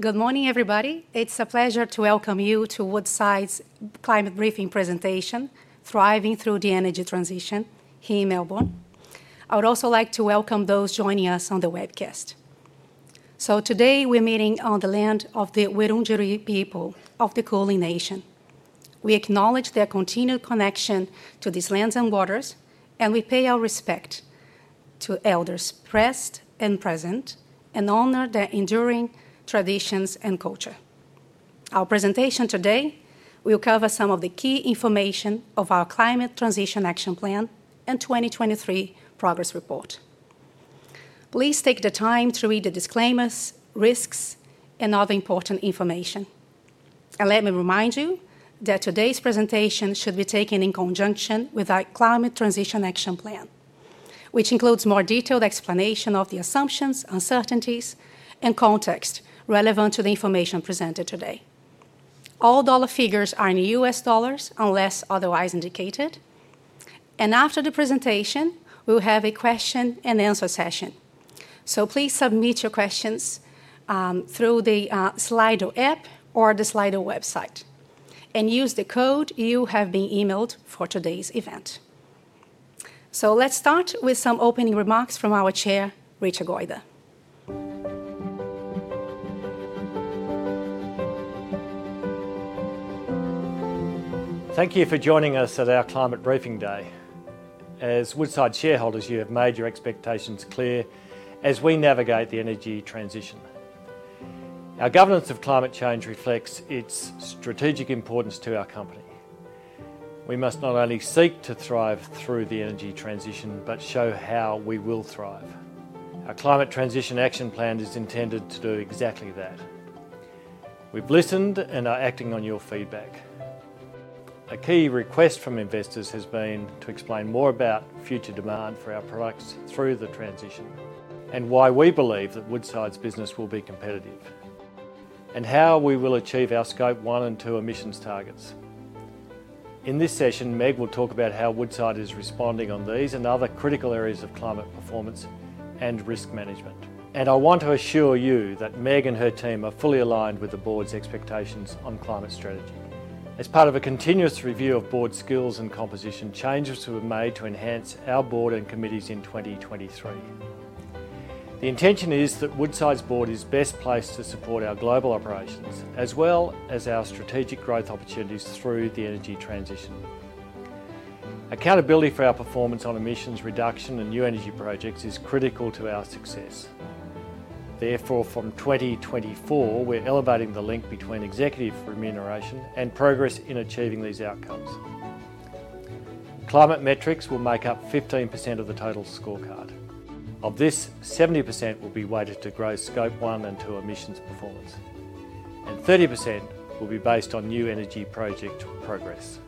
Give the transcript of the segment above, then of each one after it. Good morning, everybody. It's a pleasure to welcome you to Woodside's climate briefing presentation, "Thriving Through the Energy Transition: Here in Melbourne." I would also like to welcome those joining us on the webcast. Today we're meeting on the land of the Wurundjeri people of the Kulin Nation. We acknowledge their continued connection to these lands and waters, and we pay our respect to elders past and present, and honor their enduring traditions and culture. Our presentation today will cover some of the key information of our Climate Transition Action Plan and 2023 Progress Report. Please take the time to read the disclaimers, risks, and other important information. Let me remind you that today's presentation should be taken in conjunction with our Climate Transition Action Plan, which includes more detailed explanation of the assumptions, uncertainties, and context relevant to the information presented today. All dollar figures are in U.S. dollars unless otherwise indicated. After the presentation, we'll have a question-and-answer session. Please submit your questions through the Slido app or the Slido website, and use the code you have been emailed for today's event. Let's start with some opening remarks from our chair, Richard Goyder. Thank you for joining us at our climate briefing day. As Woodside shareholders, you have made your expectations clear as we navigate the energy transition. Our governance of climate change reflects its strategic importance to our company. We must not only seek to thrive through the energy transition but show how we will thrive. Our Climate Transition Action Plan is intended to do exactly that. We've listened and are acting on your feedback. A key request from investors has been to explain more about future demand for our products through the transition, and why we believe that Woodside's business will be competitive, and how we will achieve our Scope 1 and 2 emissions targets. In this session, Meg will talk about how Woodside is responding on these and other critical areas of climate performance and risk management. I want to assure you that Meg and her team are fully aligned with the board's expectations on climate strategy. As part of a continuous review of board skills and composition, changes were made to enhance our board and committees in 2023. The intention is that Woodside's board is best placed to support our global operations, as well as our strategic growth opportunities through the energy transition. Accountability for our performance on emissions reduction and new energy projects is critical to our success. Therefore, from 2024, we're elevating the link between executive remuneration and progress in achieving these outcomes. Climate metrics will make up 15% of the total scorecard. Of this, 70% will be weighted to growth Scope 1 and 2 emissions performance, and 30% will be based on new energy project progress.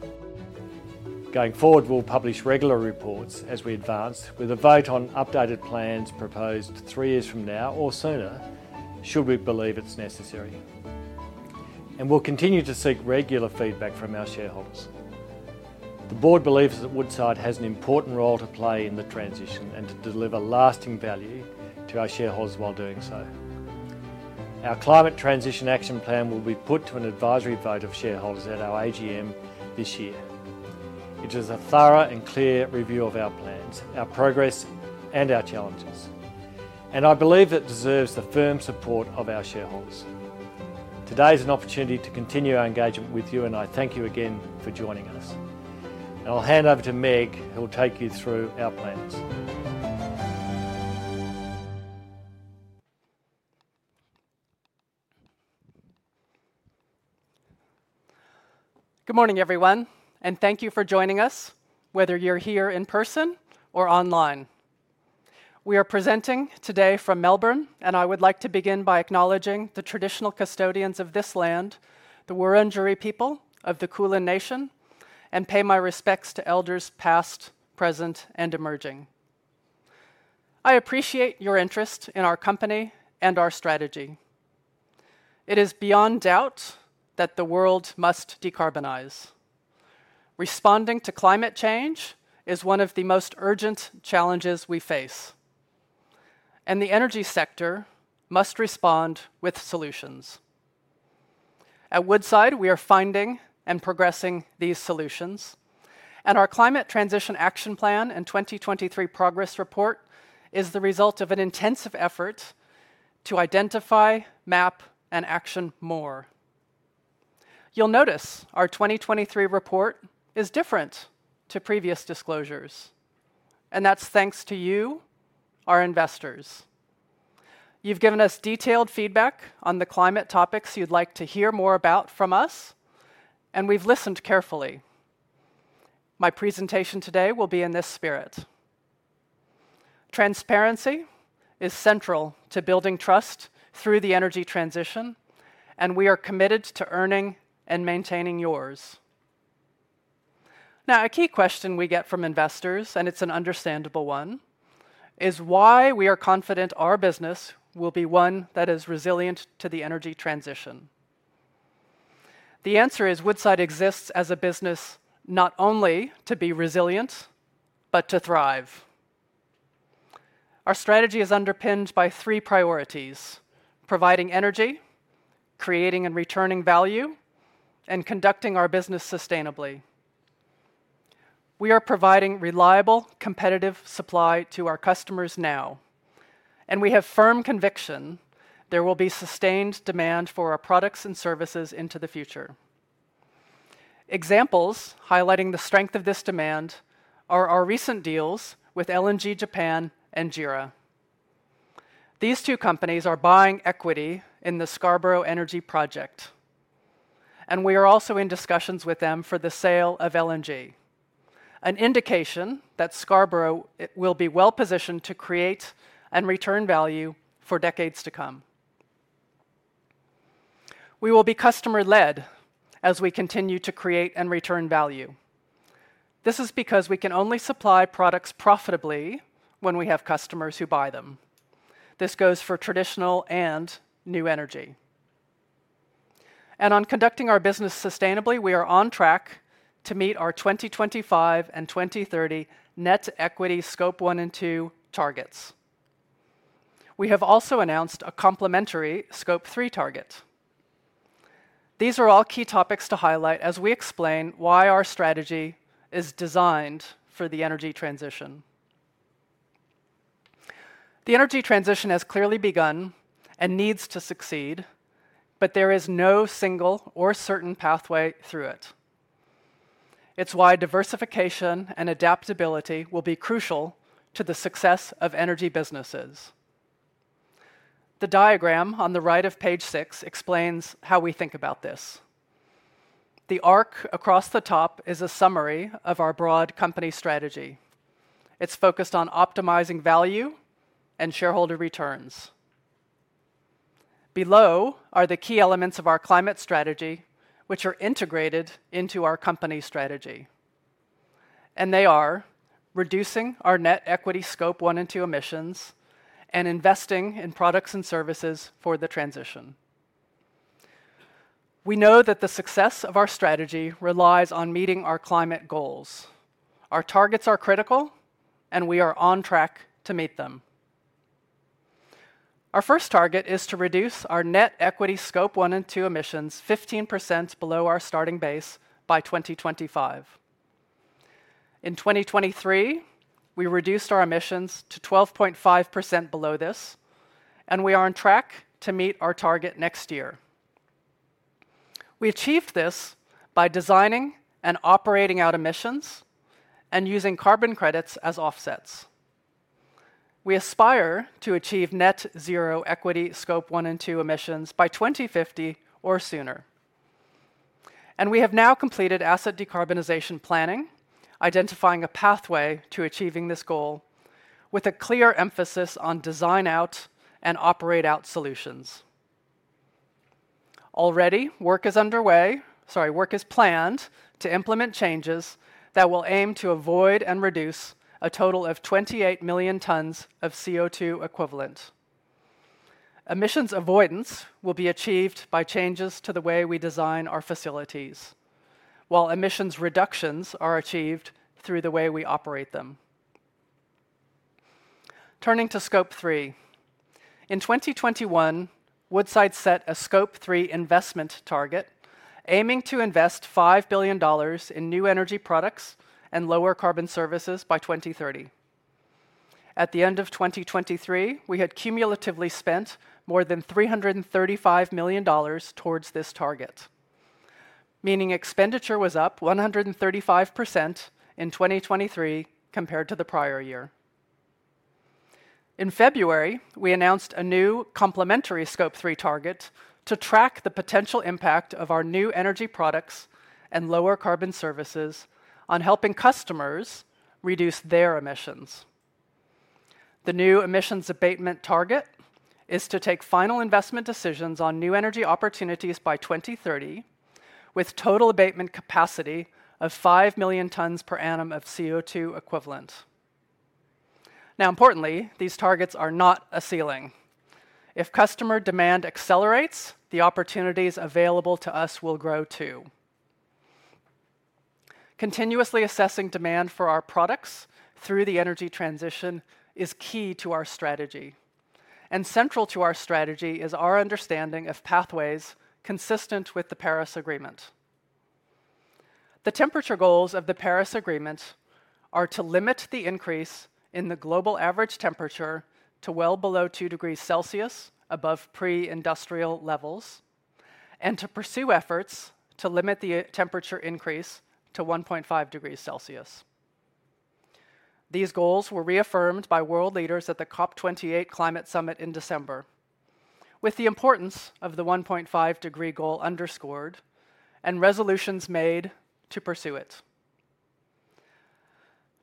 Going forward, we'll publish regular reports as we advance, with a vote on updated plans proposed three years from now or sooner, should we believe it's necessary. We'll continue to seek regular feedback from our shareholders. The board believes that Woodside has an important role to play in the transition and to deliver lasting value to our shareholders while doing so. Our Climate Transition Action Plan will be put to an advisory vote of shareholders at our AGM this year. It is a thorough and clear review of our plans, our progress, and our challenges. I believe it deserves the firm support of our shareholders. Today is an opportunity to continue our engagement with you, and I thank you again for joining us. I'll hand over to Meg, who'll take you through our plans. Good morning, everyone. Thank you for joining us, whether you're here in person or online. We are presenting today from Melbourne, and I would like to begin by acknowledging the traditional custodians of this land, the Wurundjeri people of the Kulin Nation, and pay my respects to elders past, present, and emerging. I appreciate your interest in our company and our strategy. It is beyond doubt that the world must decarbonize. Responding to climate change is one of the most urgent challenges we face. The energy sector must respond with solutions. At Woodside, we are finding and progressing these solutions. Our Climate Transition Action Plan and 2023 Progress Report is the result of an intensive effort to identify, map, and action more. You'll notice our 2023 report is different to previous disclosures. That's thanks to you, our investors. You've given us detailed feedback on the climate topics you'd like to hear more about from us, and we've listened carefully. My presentation today will be in this spirit. Transparency is central to building trust through the energy transition, and we are committed to earning and maintaining yours. Now, a key question we get from investors, and it's an understandable one, is why we are confident our business will be one that is resilient to the energy transition. The answer is Woodside exists as a business not only to be resilient but to thrive. Our strategy is underpinned by three priorities: providing energy, creating and returning value, and conducting our business sustainably. We are providing reliable, competitive supply to our customers now. We have firm conviction there will be sustained demand for our products and services into the future. Examples highlighting the strength of this demand are our recent deals with LNG Japan and JERA. These two companies are buying equity in the Scarborough Energy Project. We are also in discussions with them for the sale of LNG, an indication that Scarborough will be well-positioned to create and return value for decades to come. We will be customer-led as we continue to create and return value. This is because we can only supply products profitably when we have customers who buy them. This goes for traditional and new energy. On conducting our business sustainably, we are on track to meet our 2025 and 2030 net equity Scope 1 and 2 targets. We have also announced a complementary Scope 3 target. These are all key topics to highlight as we explain why our strategy is designed for the energy transition. The energy transition has clearly begun and needs to succeed, but there is no single or certain pathway through it. It's why diversification and adaptability will be crucial to the success of energy businesses. The diagram on the right of page 6 explains how we think about this. The arc across the top is a summary of our broad company strategy. It's focused on optimizing value and shareholder returns. Below are the key elements of our climate strategy, which are integrated into our company strategy. They are reducing our net equity Scope 1 and 2 emissions and investing in products and services for the transition. We know that the success of our strategy relies on meeting our climate goals. Our targets are critical, and we are on track to meet them. Our first target is to reduce our net equity Scope 1 and 2 emissions 15% below our starting base by 2025. In 2023, we reduced our emissions to 12.5% below this, and we are on track to meet our target next year. We achieved this by designing and operating out emissions and using carbon credits as offsets. We aspire to achieve net zero equity Scope 1 and 2 emissions by 2050 or sooner. We have now completed asset decarbonization planning, identifying a pathway to achieving this goal with a clear emphasis on design out and operate out solutions. Already, work is planned to implement changes that will aim to avoid and reduce a total of 28 million tons of CO2 equivalent. Emissions avoidance will be achieved by changes to the way we design our facilities, while emissions reductions are achieved through the way we operate them. Turning to Scope 3. In 2021, Woodside set a Scope 3 investment target, aiming to invest $5 billion in new energy products and lower carbon services by 2030. At the end of 2023, we had cumulatively spent more than $335 million towards this target, meaning expenditure was up 135% in 2023 compared to the prior year. In February, we announced a new complementary Scope 3 target to track the potential impact of our new energy products and lower carbon services on helping customers reduce their emissions. The new emissions abatement target is to take final investment decisions on new energy opportunities by 2030, with total abatement capacity of 5 million tons per annum of CO2 equivalent. Now, importantly, these targets are not a ceiling. If customer demand accelerates, the opportunities available to us will grow too. Continuously assessing demand for our products through the energy transition is key to our strategy. Central to our strategy is our understanding of pathways consistent with the Paris Agreement. The temperature goals of the Paris Agreement are to limit the increase in the global average temperature to well below two degrees Celsius above pre-industrial levels, and to pursue efforts to limit the temperature increase to 1.5 degrees Celsius. These goals were reaffirmed by world leaders at the COP28 climate summit in December, with the importance of the 1.5-degree goal underscored and resolutions made to pursue it.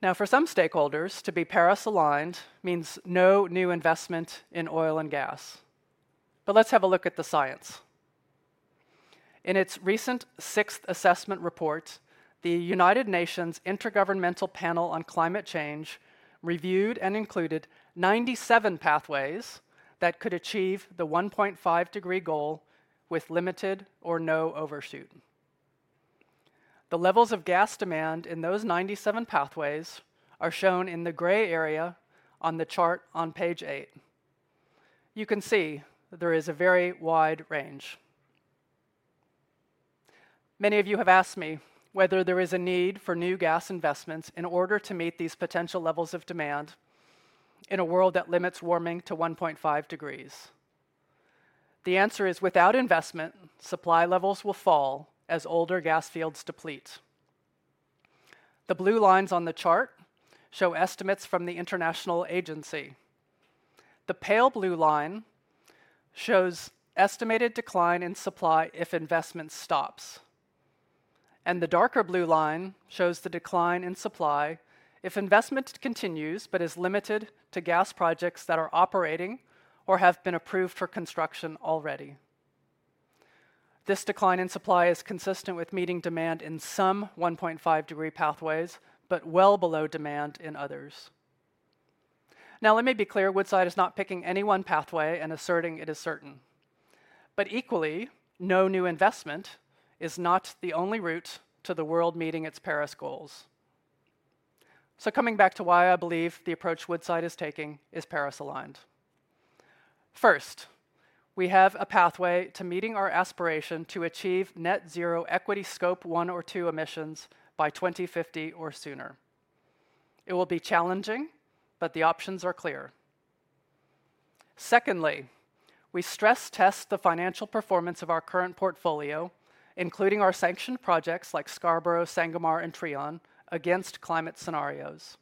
Now, for some stakeholders, to be Paris-aligned means no new investment in oil and gas. But let's have a look at the science. In its recent sixth assessment report, the United Nations Intergovernmental Panel on Climate Change reviewed and included 97 pathways that could achieve the 1.5 degree goal with limited or no overshoot. The levels of gas demand in those 97 pathways are shown in the gray area on the chart on page 8. You can see there is a very wide range. Many of you have asked me whether there is a need for new gas investments in order to meet these potential levels of demand in a world that limits warming to 1.5 degrees. The answer is, without investment, supply levels will fall as older gas fields deplete. The blue lines on the chart show estimates from the International Energy Agency. The pale blue line shows estimated decline in supply if investment stops. The darker blue line shows the decline in supply if investment continues but is limited to gas projects that are operating or have been approved for construction already. This decline in supply is consistent with meeting demand in some 1.5-degree pathways but well below demand in others. Now, let me be clear. Woodside is not picking any one pathway and asserting it is certain. But equally, no new investment is not the only route to the world meeting its Paris goals. So coming back to why I believe the approach Woodside is taking is Paris-aligned. First, we have a pathway to meeting our aspiration to achieve net zero equity Scope 1 or 2 emissions by 2050 or sooner. It will be challenging, but the options are clear. Secondly, we stress-test the financial performance of our current portfolio, including our sanctioned projects like Scarborough, Sangomar, and Trion, against climate scenarios.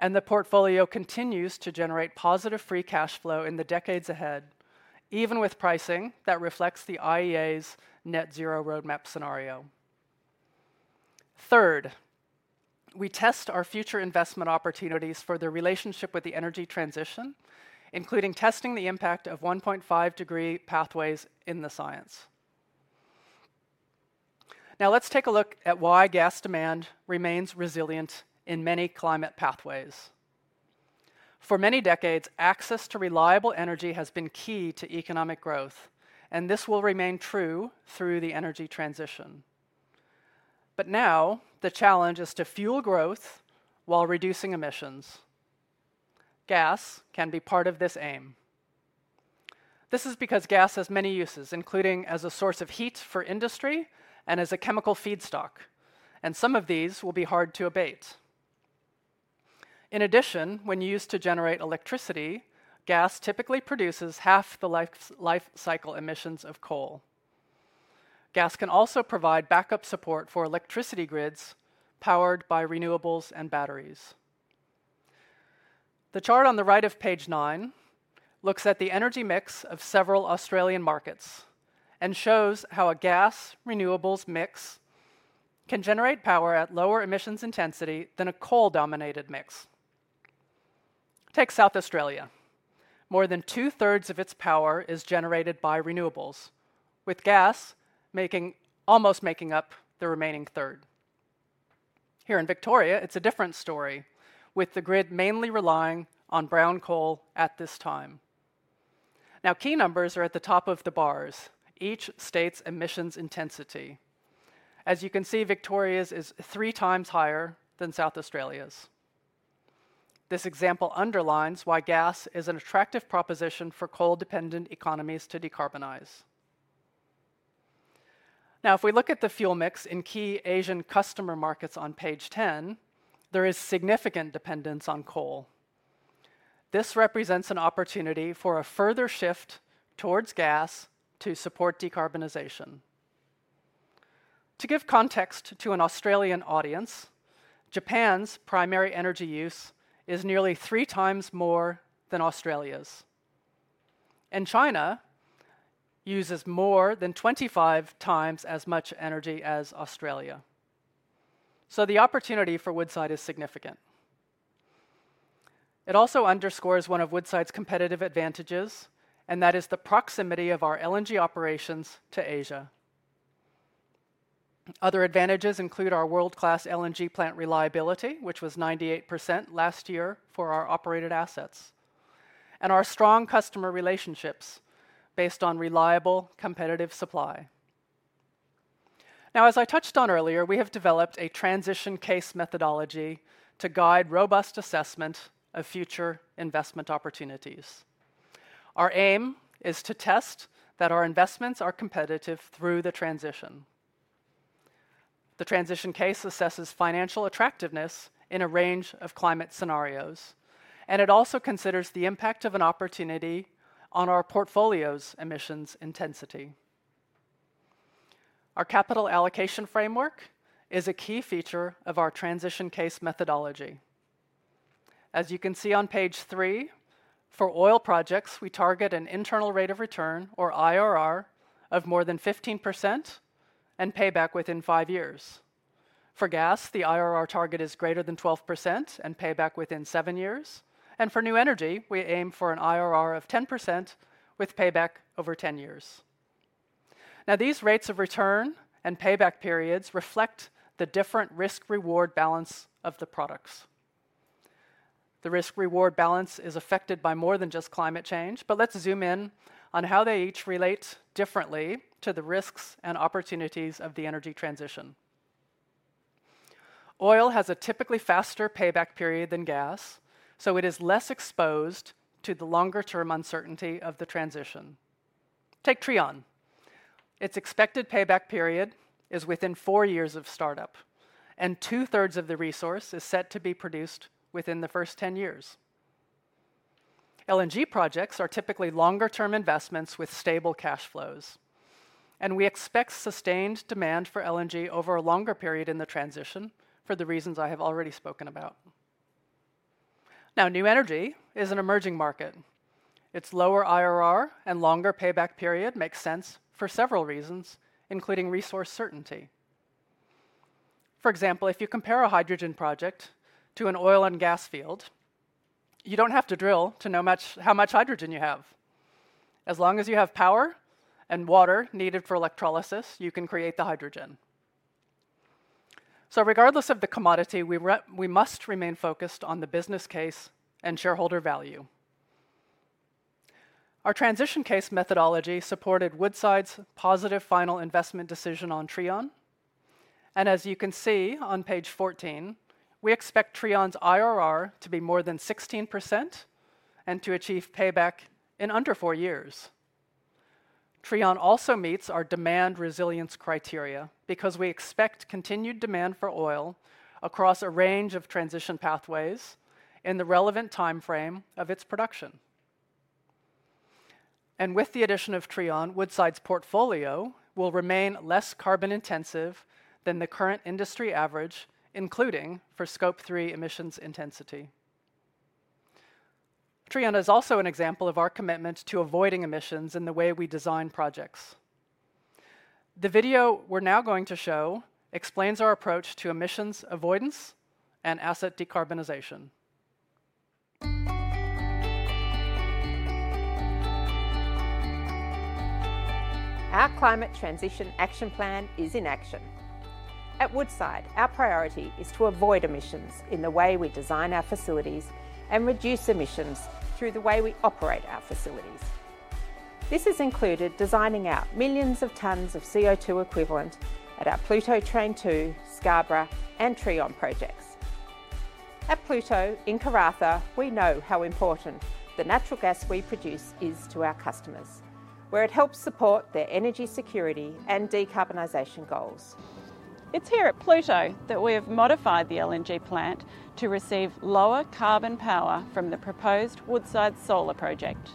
The portfolio continues to generate positive free cash flow in the decades ahead, even with pricing that reflects the IEA's Net Zero roadmap scenario. Third, we test our future investment opportunities for the relationship with the energy transition, including testing the impact of 1.5-degree pathways in the science. Now, let's take a look at why gas demand remains resilient in many climate pathways. For many decades, access to reliable energy has been key to economic growth. This will remain true through the energy transition. Now, the challenge is to fuel growth while reducing emissions. Gas can be part of this aim. This is because gas has many uses, including as a source of heat for industry and as a chemical feedstock. Some of these will be hard to abate. In addition, when used to generate electricity, gas typically produces half the life cycle emissions of coal. Gas can also provide backup support for electricity grids powered by renewables and batteries. The chart on the right of page 9 looks at the energy mix of several Australian markets and shows how a gas-renewables mix can generate power at lower emissions intensity than a coal-dominated mix. Take South Australia. More than two-thirds of its power is generated by renewables, with gas almost making up the remaining third. Here in Victoria, it's a different story, with the grid mainly relying on brown coal at this time. Now, key numbers are at the top of the bars, each state's emissions intensity. As you can see, Victoria's is three times higher than South Australia's. This example underlines why gas is an attractive proposition for coal-dependent economies to decarbonize. Now, if we look at the fuel mix in key Asian customer markets on page 10, there is significant dependence on coal. This represents an opportunity for a further shift towards gas to support decarbonization. To give context to an Australian audience, Japan's primary energy use is nearly three times more than Australia's. China uses more than 25 times as much energy as Australia. The opportunity for Woodside is significant. It also underscores one of Woodside's competitive advantages, and that is the proximity of our LNG operations to Asia. Other advantages include our world-class LNG plant reliability, which was 98% last year for our operated assets, and our strong customer relationships based on reliable, competitive supply. Now, as I touched on earlier, we have developed a transition case methodology to guide robust assessment of future investment opportunities. Our aim is to test that our investments are competitive through the transition. The transition case assesses financial attractiveness in a range of climate scenarios. It also considers the impact of an opportunity on our portfolio's emissions intensity. Our capital allocation framework is a key feature of our transition case methodology. As you can see on page 3, for oil projects, we target an internal rate of return or IRR of more than 15% and payback within 5 years. For gas, the IRR target is greater than 12% and payback within 7 years. And for new energy, we aim for an IRR of 10% with payback over 10 years. Now, these rates of return and payback periods reflect the different risk-reward balance of the products. The risk-reward balance is affected by more than just climate change. But let's zoom in on how they each relate differently to the risks and opportunities of the energy transition. Oil has a typically faster payback period than gas. So it is less exposed to the longer-term uncertainty of the transition. Take Trion. Its expected payback period is within four years of startup. And two-thirds of the resource is set to be produced within the first 10 years. LNG projects are typically longer-term investments with stable cash flows. And we expect sustained demand for LNG over a longer period in the transition for the reasons I have already spoken about. Now, new energy is an emerging market. Its lower IRR and longer payback period make sense for several reasons, including resource certainty. For example, if you compare a hydrogen project to an oil and gas field, you don't have to drill to know how much hydrogen you have. As long as you have power and water needed for electrolysis, you can create the hydrogen. Regardless of the commodity, we must remain focused on the business case and shareholder value. Our transition case methodology supported Woodside's positive final investment decision on Trion. As you can see on page 14, we expect Trion's IRR to be more than 16% and to achieve payback in under four years. Trion also meets our demand resilience criteria because we expect continued demand for oil across a range of transition pathways in the relevant time frame of its production. With the addition of Trion, Woodside's portfolio will remain less carbon-intensive than the current industry average, including for Scope 3 emissions intensity. Trion is also an example of our commitment to avoiding emissions in the way we design projects. The video we're now going to show explains our approach to emissions avoidance and asset decarbonization. Our climate transition action plan is in action. At Woodside, our priority is to avoid emissions in the way we design our facilities and reduce emissions through the way we operate our facilities. This has included designing out millions of tons of CO2 equivalent at our Pluto Train 2, Scarborough, and Trion projects. At Pluto in Karratha, we know how important the natural gas we produce is to our customers, where it helps support their energy security and decarbonization goals. It's here at Pluto that we have modified the LNG plant to receive lower carbon power from the proposed Woodside solar project.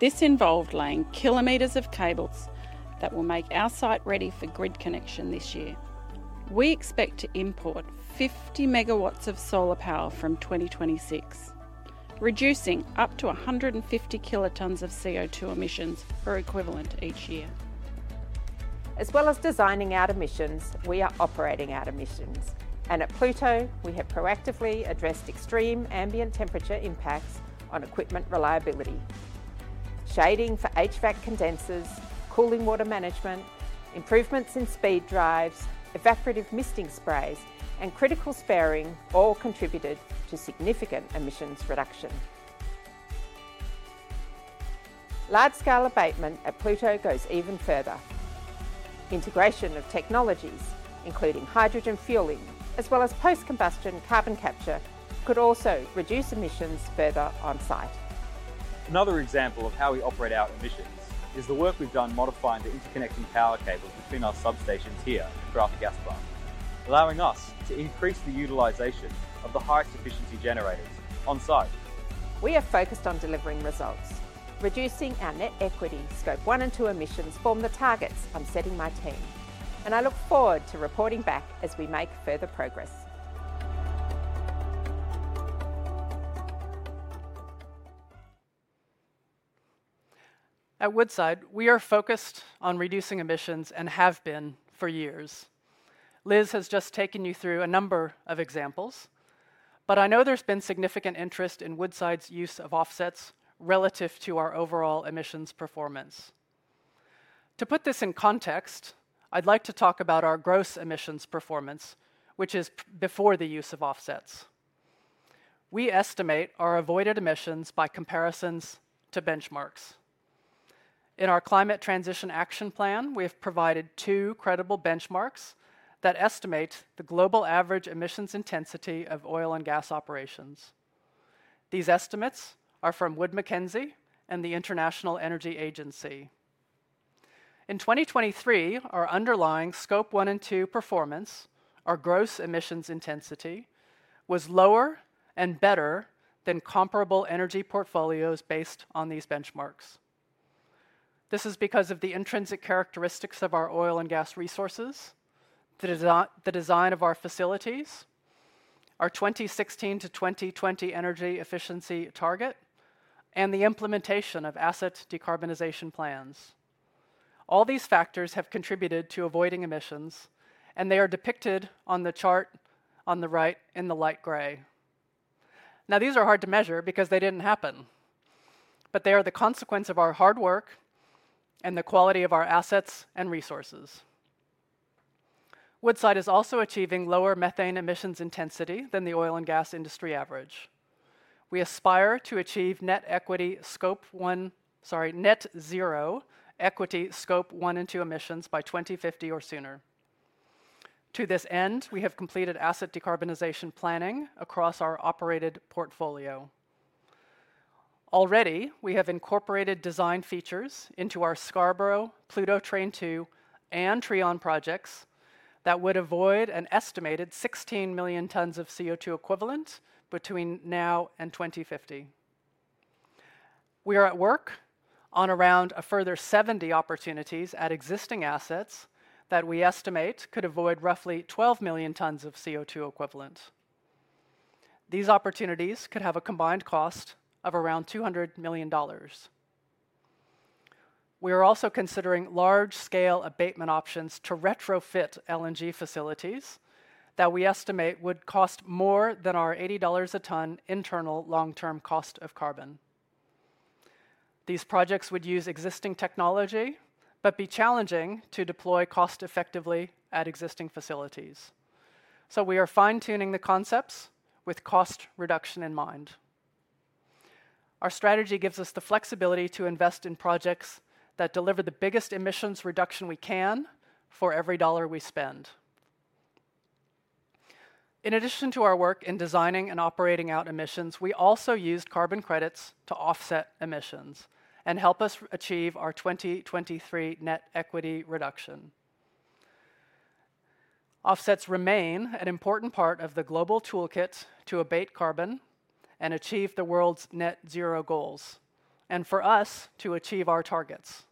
This involved laying kilometers of cables that will make our site ready for grid connection this year. We expect to import 50 MW of solar power from 2026, reducing up to 150 kilotons of CO2 emissions per equivalent each year. As well as designing out emissions, we are operating out emissions. And at Pluto, we have proactively addressed extreme ambient temperature impacts on equipment reliability. Shading for HVAC condensers, cooling water management, improvements in speed drives, evaporative misting sprays, and critical sparing all contributed to significant emissions reduction. Large-scale abatement at Pluto goes even further. Integration of technologies, including hydrogen fueling as well as post-combustion carbon capture, could also reduce emissions further on site. Another example of how we abate our emissions is the work we've done modifying the interconnecting power cables between our substations here at Karratha Gas Plant, allowing us to increase the utilization of the highest efficiency generators on site. We are focused on delivering results. Reducing our net equity Scope 1 and 2 emissions form the targets I'm setting my team. I look forward to reporting back as we make further progress. At Woodside, we are focused on reducing emissions and have been for years. Liz has just taken you through a number of examples. But I know there's been significant interest in Woodside's use of offsets relative to our overall emissions performance. To put this in context, I'd like to talk about our gross emissions performance, which is before the use of offsets. We estimate our avoided emissions by comparisons to benchmarks. In our climate transition action plan, we have provided two credible benchmarks that estimate the global average emissions intensity of oil and gas operations. These estimates are from Wood Mackenzie and the International Energy Agency. In 2023, our underlying Scope 1 and 2 performance, our gross emissions intensity, was lower and better than comparable energy portfolios based on these benchmarks. This is because of the intrinsic characteristics of our oil and gas resources, the design of our facilities, our 2016-2020 energy efficiency target, and the implementation of asset decarbonization plans. All these factors have contributed to avoiding emissions. And they are depicted on the chart on the right in the light gray. Now, these are hard to measure because they didn't happen. But they are the consequence of our hard work and the quality of our assets and resources. Woodside is also achieving lower methane emissions intensity than the oil and gas industry average. We aspire to achieve net equity Scope 1 sorry, net zero equity Scope 1 and 2 emissions by 2050 or sooner. To this end, we have completed asset decarbonization planning across our operated portfolio. Already, we have incorporated design features into our Scarborough, Pluto Train 2, and Trion projects that would avoid an estimated 16 million tons of CO2 equivalent between now and 2050. We are at work on around a further 70 opportunities at existing assets that we estimate could avoid roughly 12 million tons of CO2 equivalent. These opportunities could have a combined cost of around $200 million. We are also considering large-scale abatement options to retrofit LNG facilities that we estimate would cost more than our $80 a ton internal long-term cost of carbon. These projects would use existing technology but be challenging to deploy cost-effectively at existing facilities. So we are fine-tuning the concepts with cost reduction in mind. Our strategy gives us the flexibility to invest in projects that deliver the biggest emissions reduction we can for every dollar we spend. In addition to our work in driving down our emissions, we also used carbon credits to offset emissions and help us achieve our 2023 net zero reduction. Offsets remain an important part of the global toolkit to abate carbon and achieve the world's net zero goals and for us to achieve our targets.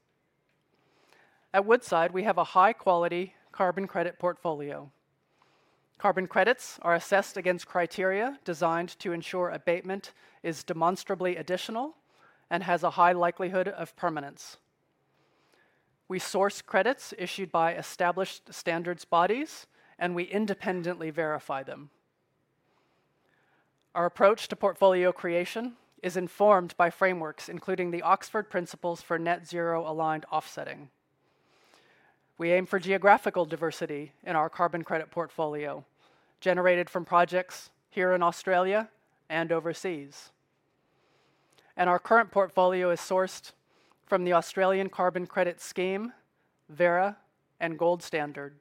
At Woodside, we have a high-quality carbon credit portfolio. Carbon credits are assessed against criteria designed to ensure abatement is demonstrably additional and has a high likelihood of permanence. We source credits issued by established standards bodies. We independently verify them. Our approach to portfolio creation is informed by frameworks, including the Oxford Principles for Net Zero Aligned Offsetting. We aim for geographical diversity in our carbon credit portfolio generated from projects here in Australia and overseas. Our current portfolio is sourced from the Australian Carbon Credit Scheme, Verra, and Gold Standard.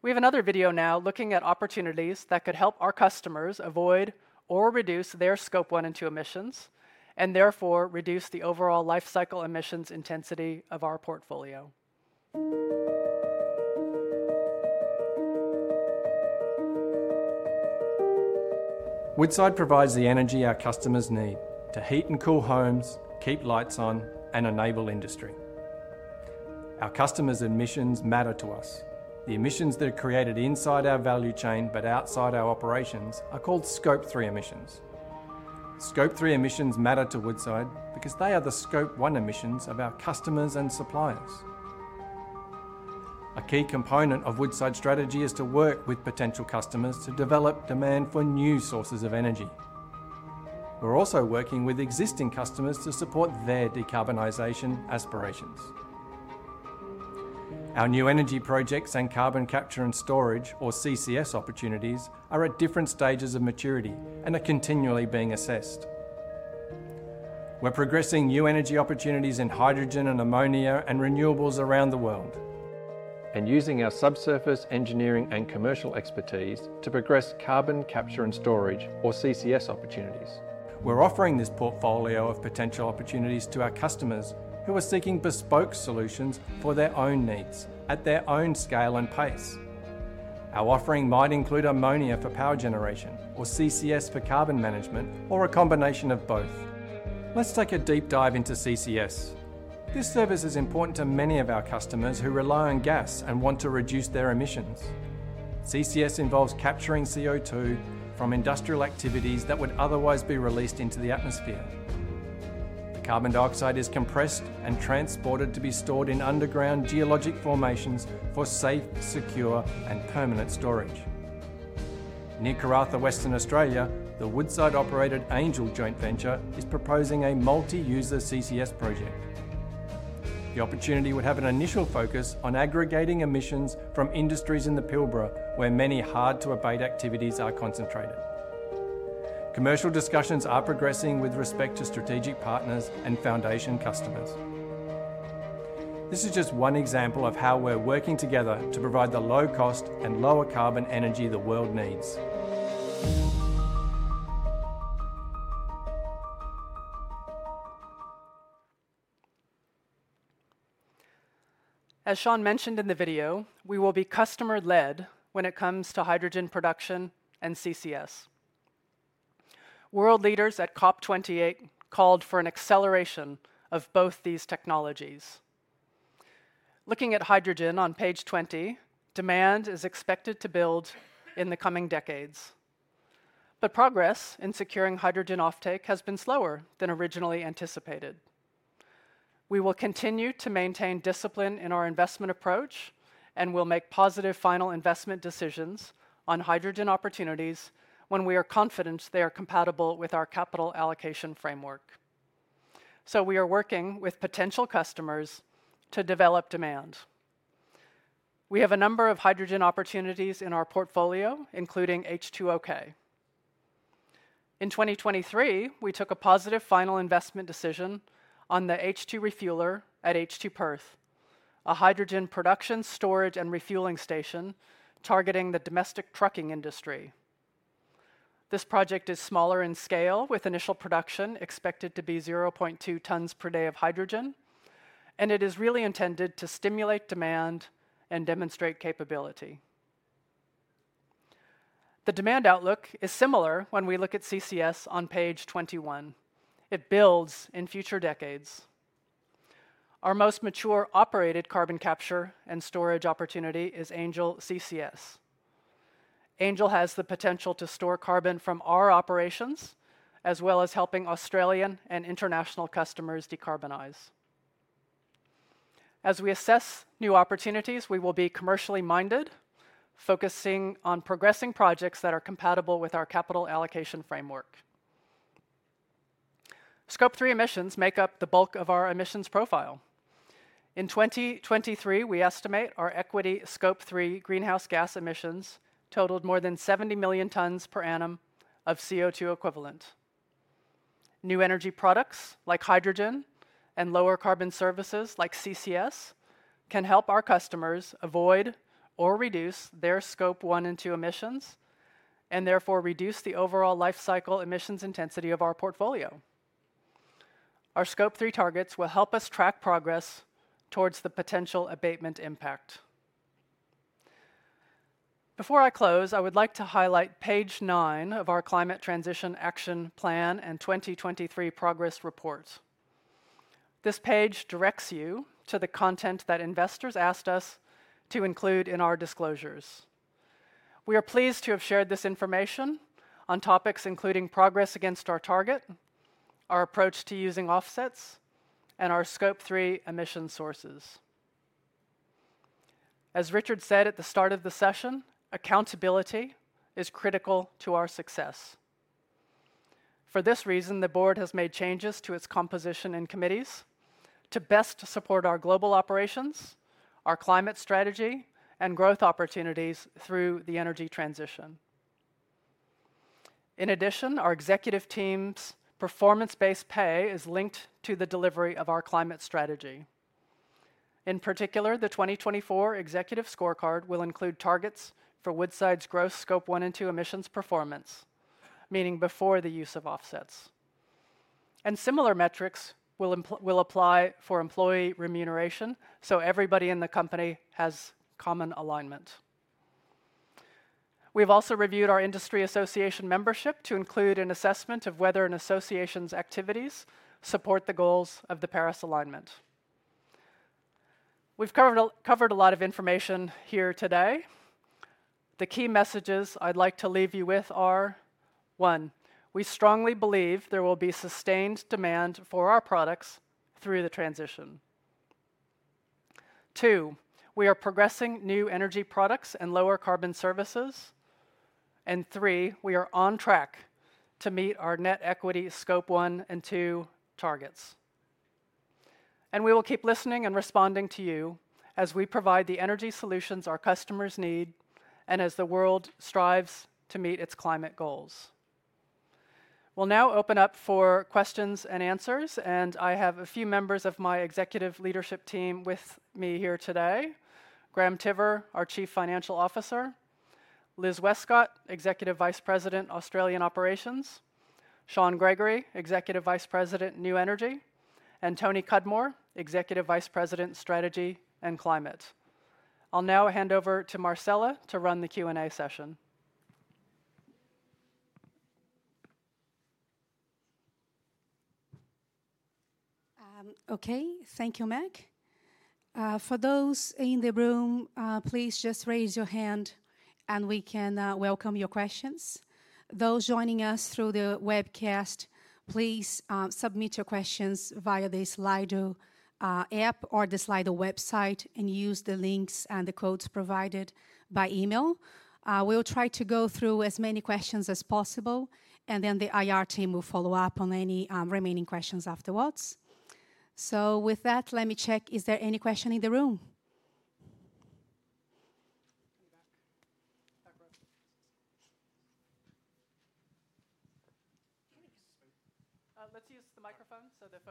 We have another video now looking at opportunities that could help our customers avoid or reduce their Scope 1 and 2 emissions and therefore reduce the overall lifecycle emissions intensity of our portfolio. Woodside provides the energy our customers need to heat and cool homes, keep lights on, and enable industry. Our customers' emissions matter to us. The emissions that are created inside our value chain but outside our operations are called Scope 3 emissions. Scope 3 emissions matter to Woodside because they are the Scope 1 emissions of our customers and suppliers. A key component of Woodside's strategy is to work with potential customers to develop demand for new sources of energy. We're also working with existing customers to support their decarbonization aspirations. Our new energy projects and carbon capture and storage, or CCS, opportunities are at different stages of maturity and are continually being assessed. We're progressing new energy opportunities in hydrogen and ammonia and renewables around the world and using our subsurface engineering and commercial expertise to progress carbon capture and storage, or CCS, opportunities. We're offering this portfolio of potential opportunities to our customers who are seeking bespoke solutions for their own needs at their own scale and pace. Our offering might include ammonia for power generation, or CCS for carbon management, or a combination of both. Let's take a deep dive into CCS. This service is important to many of our customers who rely on gas and want to reduce their emissions. CCS involves capturing CO2 from industrial activities that would otherwise be released into the atmosphere. The carbon dioxide is compressed and transported to be stored in underground geologic formations for safe, secure, and permanent storage. Near Karratha, Western Australia, the Woodside-operated Angel joint venture is proposing a multi-user CCS project. The opportunity would have an initial focus on aggregating emissions from industries in the Pilbara where many hard-to-abate activities are concentrated. Commercial discussions are progressing with respect to strategic partners and foundation customers. This is just one example of how we're working together to provide the low-cost and lower-carbon energy the world needs. As Shaun mentioned in the video, we will be customer-led when it comes to hydrogen production and CCS. World leaders at COP28 called for an acceleration of both these technologies. Looking at hydrogen on page 20, demand is expected to build in the coming decades. But progress in securing hydrogen offtake has been slower than originally anticipated. We will continue to maintain discipline in our investment approach. And we'll make positive final investment decisions on hydrogen opportunities when we are confident they are compatible with our capital allocation framework. So we are working with potential customers to develop demand. We have a number of hydrogen opportunities in our portfolio, including H2OK. In 2023, we took a positive final investment decision on the H2 refueler at H2Perth, a hydrogen production, storage, and refueling station targeting the domestic trucking industry. This project is smaller in scale, with initial production expected to be 0.2 tons per day of hydrogen. It is really intended to stimulate demand and demonstrate capability. The demand outlook is similar when we look at CCS on page 21. It builds in future decades. Our most mature operated carbon capture and storage opportunity is Angel CCS. Angel has the potential to store carbon from our operations as well as helping Australian and international customers decarbonize. As we assess new opportunities, we will be commercially minded, focusing on progressing projects that are compatible with our capital allocation framework. Scope 3 emissions make up the bulk of our emissions profile. In 2023, we estimate our equity Scope 3 greenhouse gas emissions totaled more than 70 million tons per annum of CO2 equivalent. New energy products like hydrogen and lower-carbon services like CCS can help our customers avoid or reduce their Scope 1 and 2 emissions and therefore reduce the overall lifecycle emissions intensity of our portfolio. Our Scope 3 targets will help us track progress towards the potential abatement impact. Before I close, I would like to highlight page nine of our Climate Transition Action Plan and 2023 Progress Reports. This page directs you to the content that investors asked us to include in our disclosures. We are pleased to have shared this information on topics including progress against our target, our approach to using offsets, and our Scope 3 emission sources. As Richard said at the start of the session, accountability is critical to our success. For this reason, the board has made changes to its composition and committees to best support our global operations, our climate strategy, and growth opportunities through the energy transition. In addition, our executive team's performance-based pay is linked to the delivery of our climate strategy. In particular, the 2024 executive scorecard will include targets for Woodside's gross Scope 1 and 2 emissions performance, meaning before the use of offsets. And similar metrics will apply for employee remuneration so everybody in the company has common alignment. We've also reviewed our industry association membership to include an assessment of whether an association's activities support the goals of the Paris Agreement. We've covered a lot of information here today. The key messages I'd like to leave you with are: 1) We strongly believe there will be sustained demand for our products through the transition; 2) We are progressing new energy products and lower-carbon services; and 3) We are on track to meet our net equity Scope 1 and 2 targets. We will keep listening and responding to you as we provide the energy solutions our customers need and as the world strives to meet its climate goals. We'll now open up for questions and answers. I have a few members of my executive leadership team with me here today: Graham Tiver, our Chief Financial Officer; Liz Westcott, Executive Vice President, Australian Operations; Shaun Gregory, Executive Vice President, New Energy; and Tony Cudmore, Executive Vice President, Strategy and Climate. I'll now hand over to Marcela to run the Q&A session. OK. Thank you, Meg. For those in the room, please just raise your hand. We can welcome your questions. Those joining us through the webcast, please submit your questions via the Slido app or the Slido website and use the links and the codes provided by email. We'll try to go through as many questions as possible. Then the IR team will follow up on any remaining questions afterwards. With that, let me check. Is there any question in the room?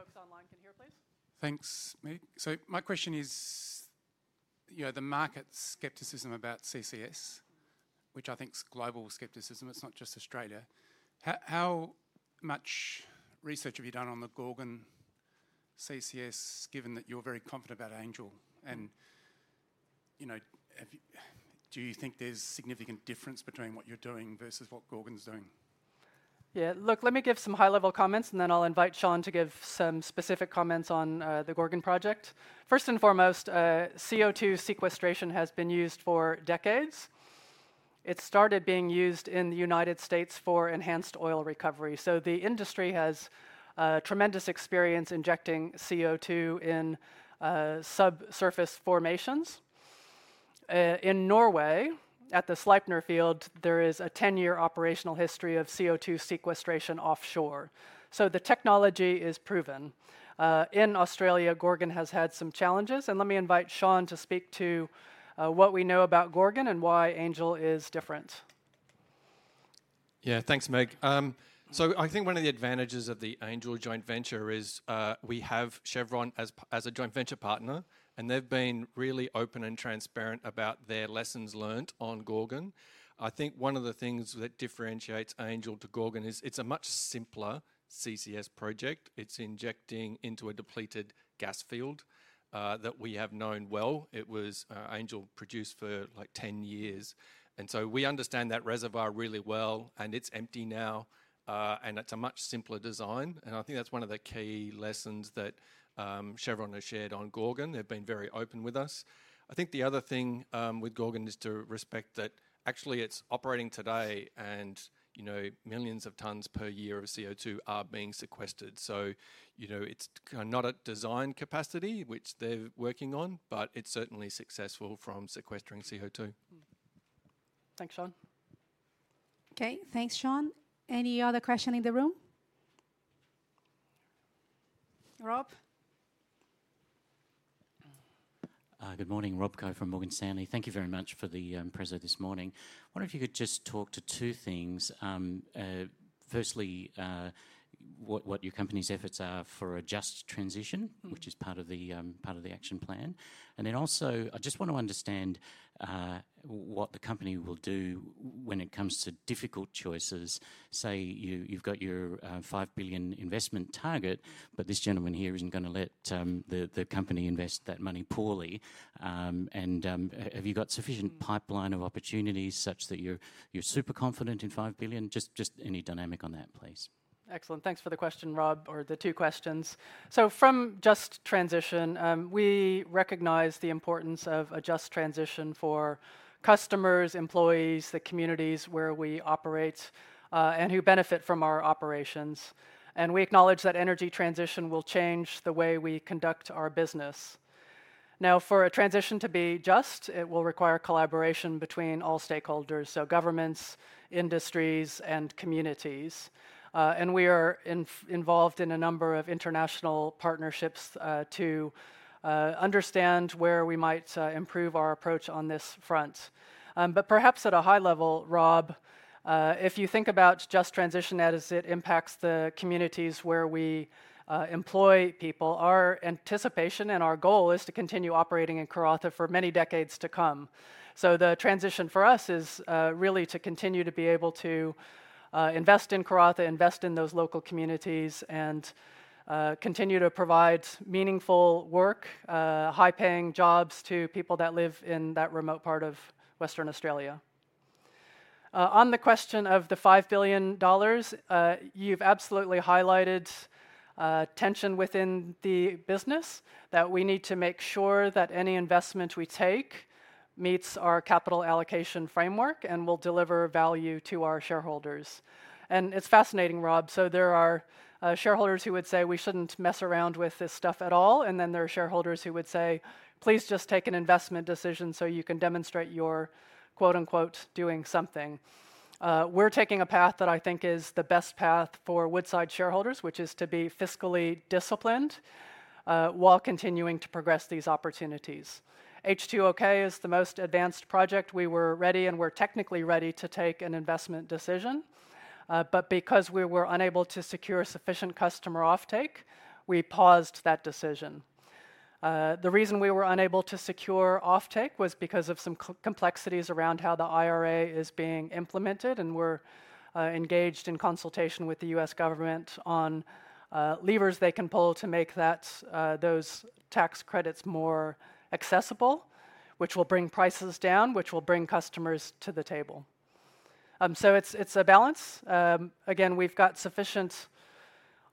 Let's use the microphone so the folks online can hear, please. Thanks, Meg. So my question is the market skepticism about CCS, which I think is global skepticism. It's not just Australia. How much research have you done on the Gorgon CCS, given that you're very confident about Angel? And do you think there's significant difference between what you're doing versus what Gorgon's doing? Yeah. Look, let me give some high-level comments. And then I'll invite Shaun to give some specific comments on the Gorgon project. First and foremost, CO2 sequestration has been used for decades. It started being used in the United States for enhanced oil recovery. So the industry has tremendous experience injecting CO2 in subsurface formations. In Norway, at the Sleipner Field, there is a 10-year operational history of CO2 sequestration offshore. So the technology is proven. In Australia, Gorgon has had some challenges. And let me invite Shaun to speak to what we know about Gorgon and why Angel is different. Yeah. Thanks, Meg. So I think one of the advantages of the Angel joint venture is we have Chevron as a joint venture partner. And they've been really open and transparent about their lessons learned on Gorgon. I think one of the things that differentiates Angel to Gorgon is it's a much simpler CCS project. It's injecting into a depleted gas field that we have known well. It was Angel produced for like 10 years. And so we understand that reservoir really well. And it's empty now. And it's a much simpler design. And I think that's one of the key lessons that Chevron has shared on Gorgon. They've been very open with us. I think the other thing with Gorgon is to respect that, actually, it's operating today. And millions of tons per year of CO2 are being sequestered. So it's not at design capacity, which they're working on. But it's certainly successful from sequestering CO2. Thanks, Shaun. OK. Thanks, Shaun. Any other question in the room? Rob? Good morning. Rob Koh from Morgan Stanley. Thank you very much for the preso this morning. I wonder if you could just talk to two things. Firstly, what your company's efforts are for a just transition, which is part of the action plan. And then also, I just want to understand what the company will do when it comes to difficult choices. Say you've got your $5 billion investment target. But this gentleman here isn't going to let the company invest that money poorly. And have you got sufficient pipeline of opportunities such that you're super confident in $5 billion? Just any dynamic on that, please? Excellent. Thanks for the question, Rob, or the two questions. So from just transition, we recognize the importance of a just transition for customers, employees, the communities where we operate, and who benefit from our operations. And we acknowledge that energy transition will change the way we conduct our business. Now, for a transition to be just, it will require collaboration between all stakeholders, so governments, industries, and communities. And we are involved in a number of international partnerships to understand where we might improve our approach on this front. But perhaps at a high level, Rob, if you think about just transition as it impacts the communities where we employ people, our anticipation and our goal is to continue operating in Karratha for many decades to come. So the transition for us is really to continue to be able to invest in Karratha, invest in those local communities, and continue to provide meaningful work, high-paying jobs to people that live in that remote part of Western Australia. On the question of the $5 billion, you've absolutely highlighted tension within the business, that we need to make sure that any investment we take meets our capital allocation framework and will deliver value to our shareholders. And it's fascinating, Rob. So there are shareholders who would say, we shouldn't mess around with this stuff at all. And then there are shareholders who would say, please just take an investment decision so you can demonstrate your "doing something." We're taking a path that I think is the best path for Woodside shareholders, which is to be fiscally disciplined while continuing to progress these opportunities. H2OK is the most advanced project. We were ready. We're technically ready to take an investment decision. Because we were unable to secure sufficient customer offtake, we paused that decision. The reason we were unable to secure offtake was because of some complexities around how the IRA is being implemented. We're engaged in consultation with the U.S. government on levers they can pull to make those tax credits more accessible, which will bring prices down, which will bring customers to the table. It's a balance. Again, we've got sufficient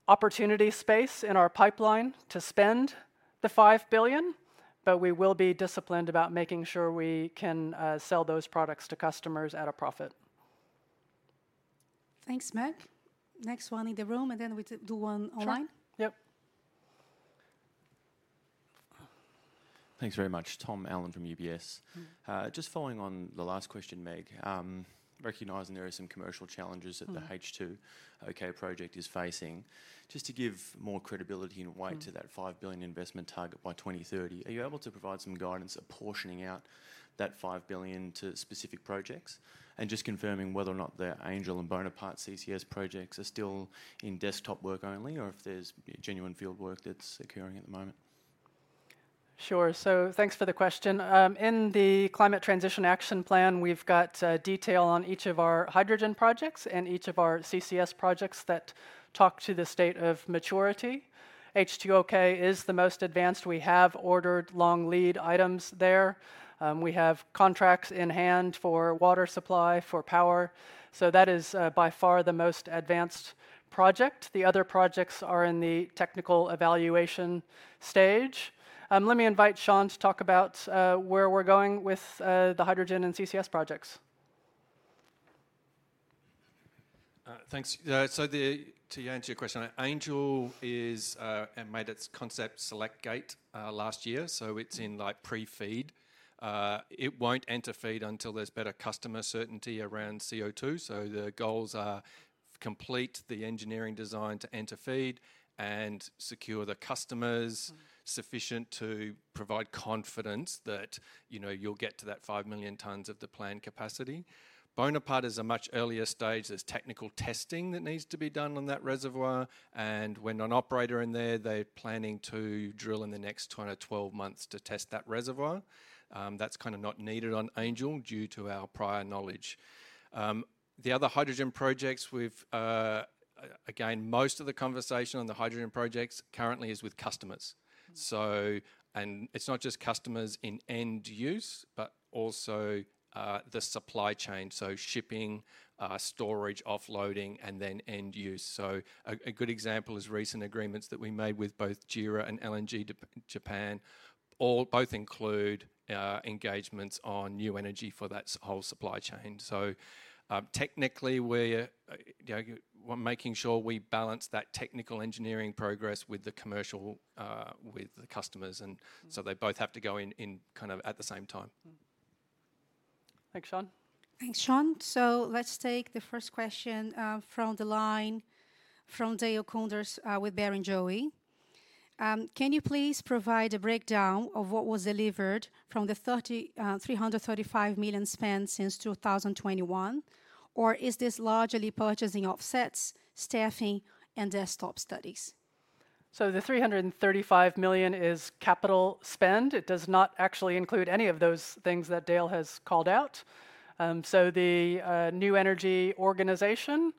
opportunity space in our pipeline to spend the $5 billion. We will be disciplined about making sure we can sell those products to customers at a profit. Thanks, Meg. Next, one in the room. And then we do one online. Sure. Yep. Thanks very much. Tom Allen from UBS. Just following on the last question, Meg, recognizing there are some commercial challenges that the H2OK project is facing, just to give more credibility and weight to that $5 billion investment target by 2030, are you able to provide some guidance apportioning out that $5 billion to specific projects and just confirming whether or not the Angel and Bonaparte CCS projects are still in desktop work only or if there's genuine field work that's occurring at the moment? Sure. Thanks for the question. In the Climate Transition Action Plan, we've got detail on each of our hydrogen projects and each of our CCS projects that talk to the state of maturity. H2OK is the most advanced we have ordered long lead items there. We have contracts in hand for water supply, for power. That is by far the most advanced project. The other projects are in the technical evaluation stage. Let me invite Shaun to talk about where we're going with the hydrogen and CCS projects. Thanks. So to answer your question, Angel made its concept select gate last year. So it's in pre-feed. It won't enter feed until there's better customer certainty around CO2. So the goals are to complete the engineering design to enter feed and secure the customers sufficient to provide confidence that you'll get to that 5 million tons of the planned capacity. Bonaparte is a much earlier stage. There's technical testing that needs to be done on that reservoir. And there's an operator in there; they're planning to drill in the next 12 months to test that reservoir. That's kind of not needed on Angel due to our prior knowledge. The other hydrogen projects, again, most of the conversation on the hydrogen projects currently is with customers. And it's not just customers in end use, but also the supply chain, so shipping, storage, offloading, and then end use. So a good example is recent agreements that we made with both JERA and LNG Japan. Both include engagements on new energy for that whole supply chain. So technically, we're making sure we balance that technical engineering progress with the commercial, with the customers. And so they both have to go in kind of at the same time. Thanks, Shaun. Thanks, Shaun. So let's take the first question from the line from Dale Koenders with Barrenjoey. Can you please provide a breakdown of what was delivered from the $335 million spent since 2021? Or is this largely purchasing offsets, staffing, and desktop studies? The $335 million is capital spend. It does not actually include any of those things that Deo has called out. The new energy organization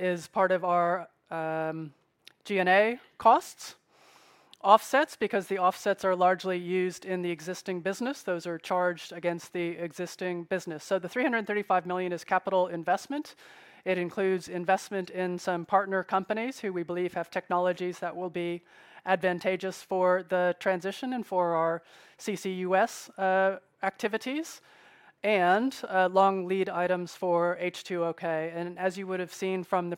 is part of our G&A costs, offsets, because the offsets are largely used in the existing business. Those are charged against the existing business. The $335 million is capital investment. It includes investment in some partner companies who we believe have technologies that will be advantageous for the transition and for our CCUS activities and long lead items for H2OK. As you would have seen from the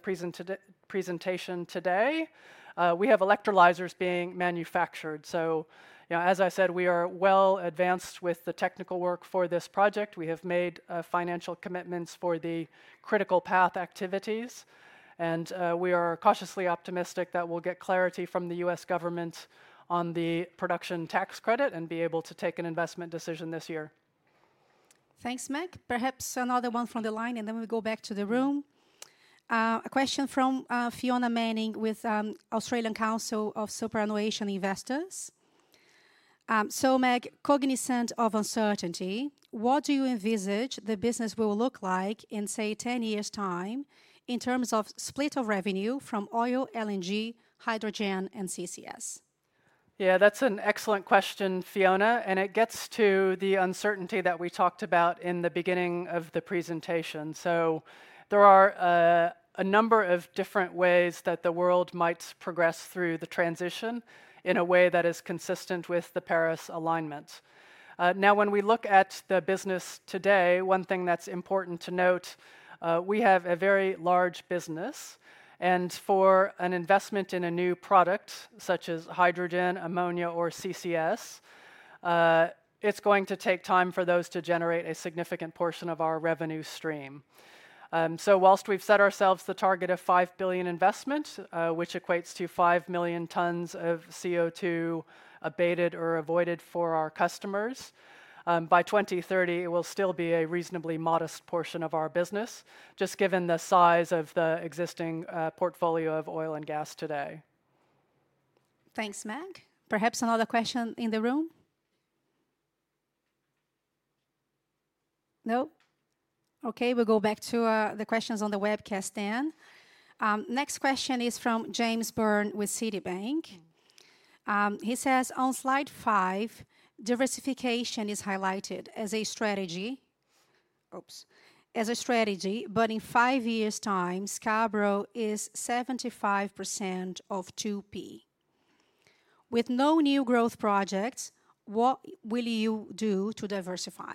presentation today, we have electrolyzers being manufactured. As I said, we are well advanced with the technical work for this project. We have made financial commitments for the critical path activities. We are cautiously optimistic that we'll get clarity from the U.S. government on the production tax credit and be able to take an investment decision this year. Thanks, Meg. Perhaps another one from the line. And then we go back to the room. A question from Fiona Manning with Australian Council of Superannuation Investors. So, Meg, cognizant of uncertainty, what do you envisage the business will look like in, say, 10 years' time in terms of split of revenue from oil, LNG, hydrogen, and CCS? Yeah. That's an excellent question, Fiona. It gets to the uncertainty that we talked about in the beginning of the presentation. There are a number of different ways that the world might progress through the transition in a way that is consistent with the Paris alignment. Now, when we look at the business today, one thing that's important to note, we have a very large business. For an investment in a new product such as hydrogen, ammonia, or CCS, it's going to take time for those to generate a significant portion of our revenue stream. While we've set ourselves the target of $5 billion investment, which equates to 5 million tons of CO2 abated or avoided for our customers, by 2030, it will still be a reasonably modest portion of our business, just given the size of the existing portfolio of oil and gas today. Thanks, Meg. Perhaps another question in the room? No? OK. We'll go back to the questions on the webcast then. Next question is from James Byrne with Citibank. He says, on slide 5, diversification is highlighted as a strategy. Oops. As a strategy. But in five years' time, Scarborough is 75% of 2P. With no new growth projects, what will you do to diversify?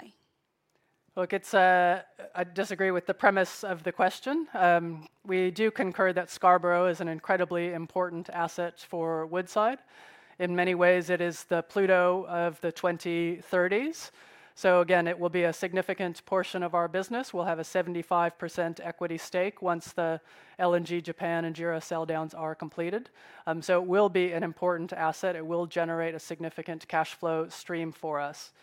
Look, I disagree with the premise of the question. We do concur that Scarborough is an incredibly important asset for Woodside. In many ways, it is the Pluto of the 2030s. So again, it will be a significant portion of our business. We'll have a 75% equity stake once the LNG Japan and JERA sell-downs are completed. So it will be an important asset. It will generate a significant cash flow stream for us.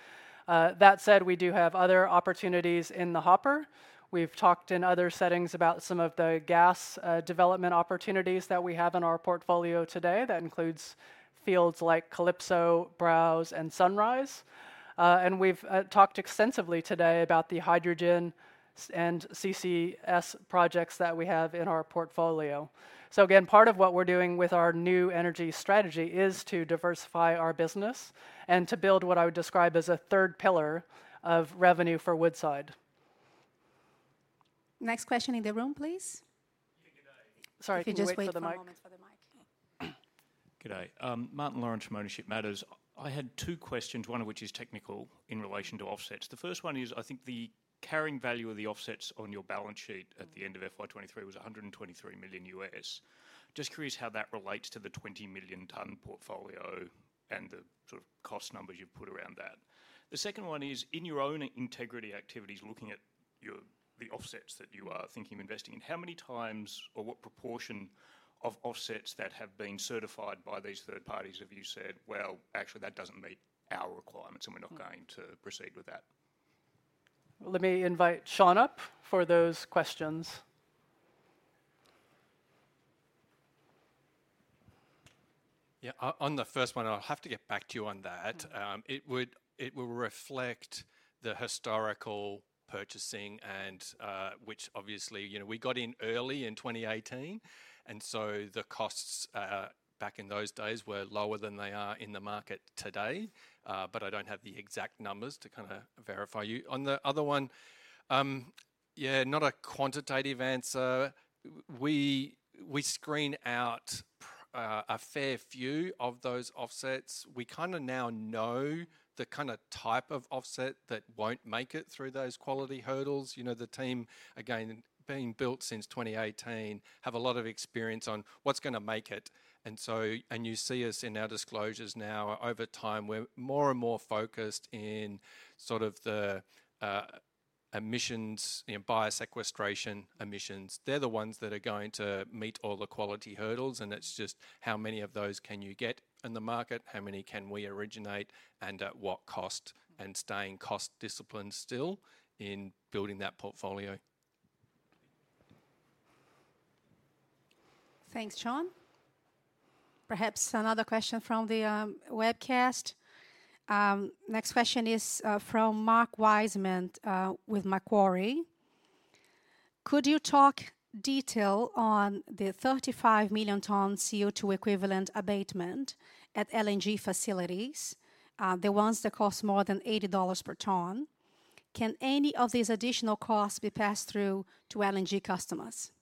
That said, we do have other opportunities in the hopper. We've talked in other settings about some of the gas development opportunities that we have in our portfolio today. That includes fields like Calypso, Browse, and Sunrise. And we've talked extensively today about the hydrogen and CCS projects that we have in our portfolio. So again, part of what we're doing with our new energy strategy is to diversify our business and to build what I would describe as a third pillar of revenue for Woodside. Next question in the room, please. Sorry. If you just wait a moment for the mic. Good day. Martin Lawrence from Ownership Matters. I had two questions, one of which is technical in relation to offsets. The first one is, I think the carrying value of the offsets on your balance sheet at the end of FY23 was $123 million. Just curious how that relates to the 20 million ton portfolio and the cost numbers you've put around that. The second one is, in your own integrity activities, looking at the offsets that you are thinking of investing in, how many times or what proportion of offsets that have been certified by these third parties have you said, well, actually, that doesn't meet our requirements. And we're not going to proceed with that? Let me invite Shaun up for those questions. Yeah. On the first one, I'll have to get back to you on that. It will reflect the historical purchasing, which obviously, we got in early in 2018. And so the costs back in those days were lower than they are in the market today. But I don't have the exact numbers to kind of verify you. On the other one, yeah, not a quantitative answer. We screen out a fair few of those offsets. We kind of now know the kind of type of offset that won't make it through those quality hurdles. The team, again, being built since 2018, have a lot of experience on what's going to make it. And you see us in our disclosures now, over time, we're more and more focused in sort of the emission-based sequestration emissions. They're the ones that are going to meet all the quality hurdles. It's just how many of those can you get in the market? How many can we originate? And at what cost? And staying cost disciplined still in building that portfolio. Thanks, Shaun. Perhaps another question from the webcast. Next question is from Mark Wiseman with Macquarie. Could you talk detail on the 35 million tons CO2 equivalent abatement at LNG facilities, the ones that cost more than $80 per ton? Can any of these additional costs be passed through to LNG customers?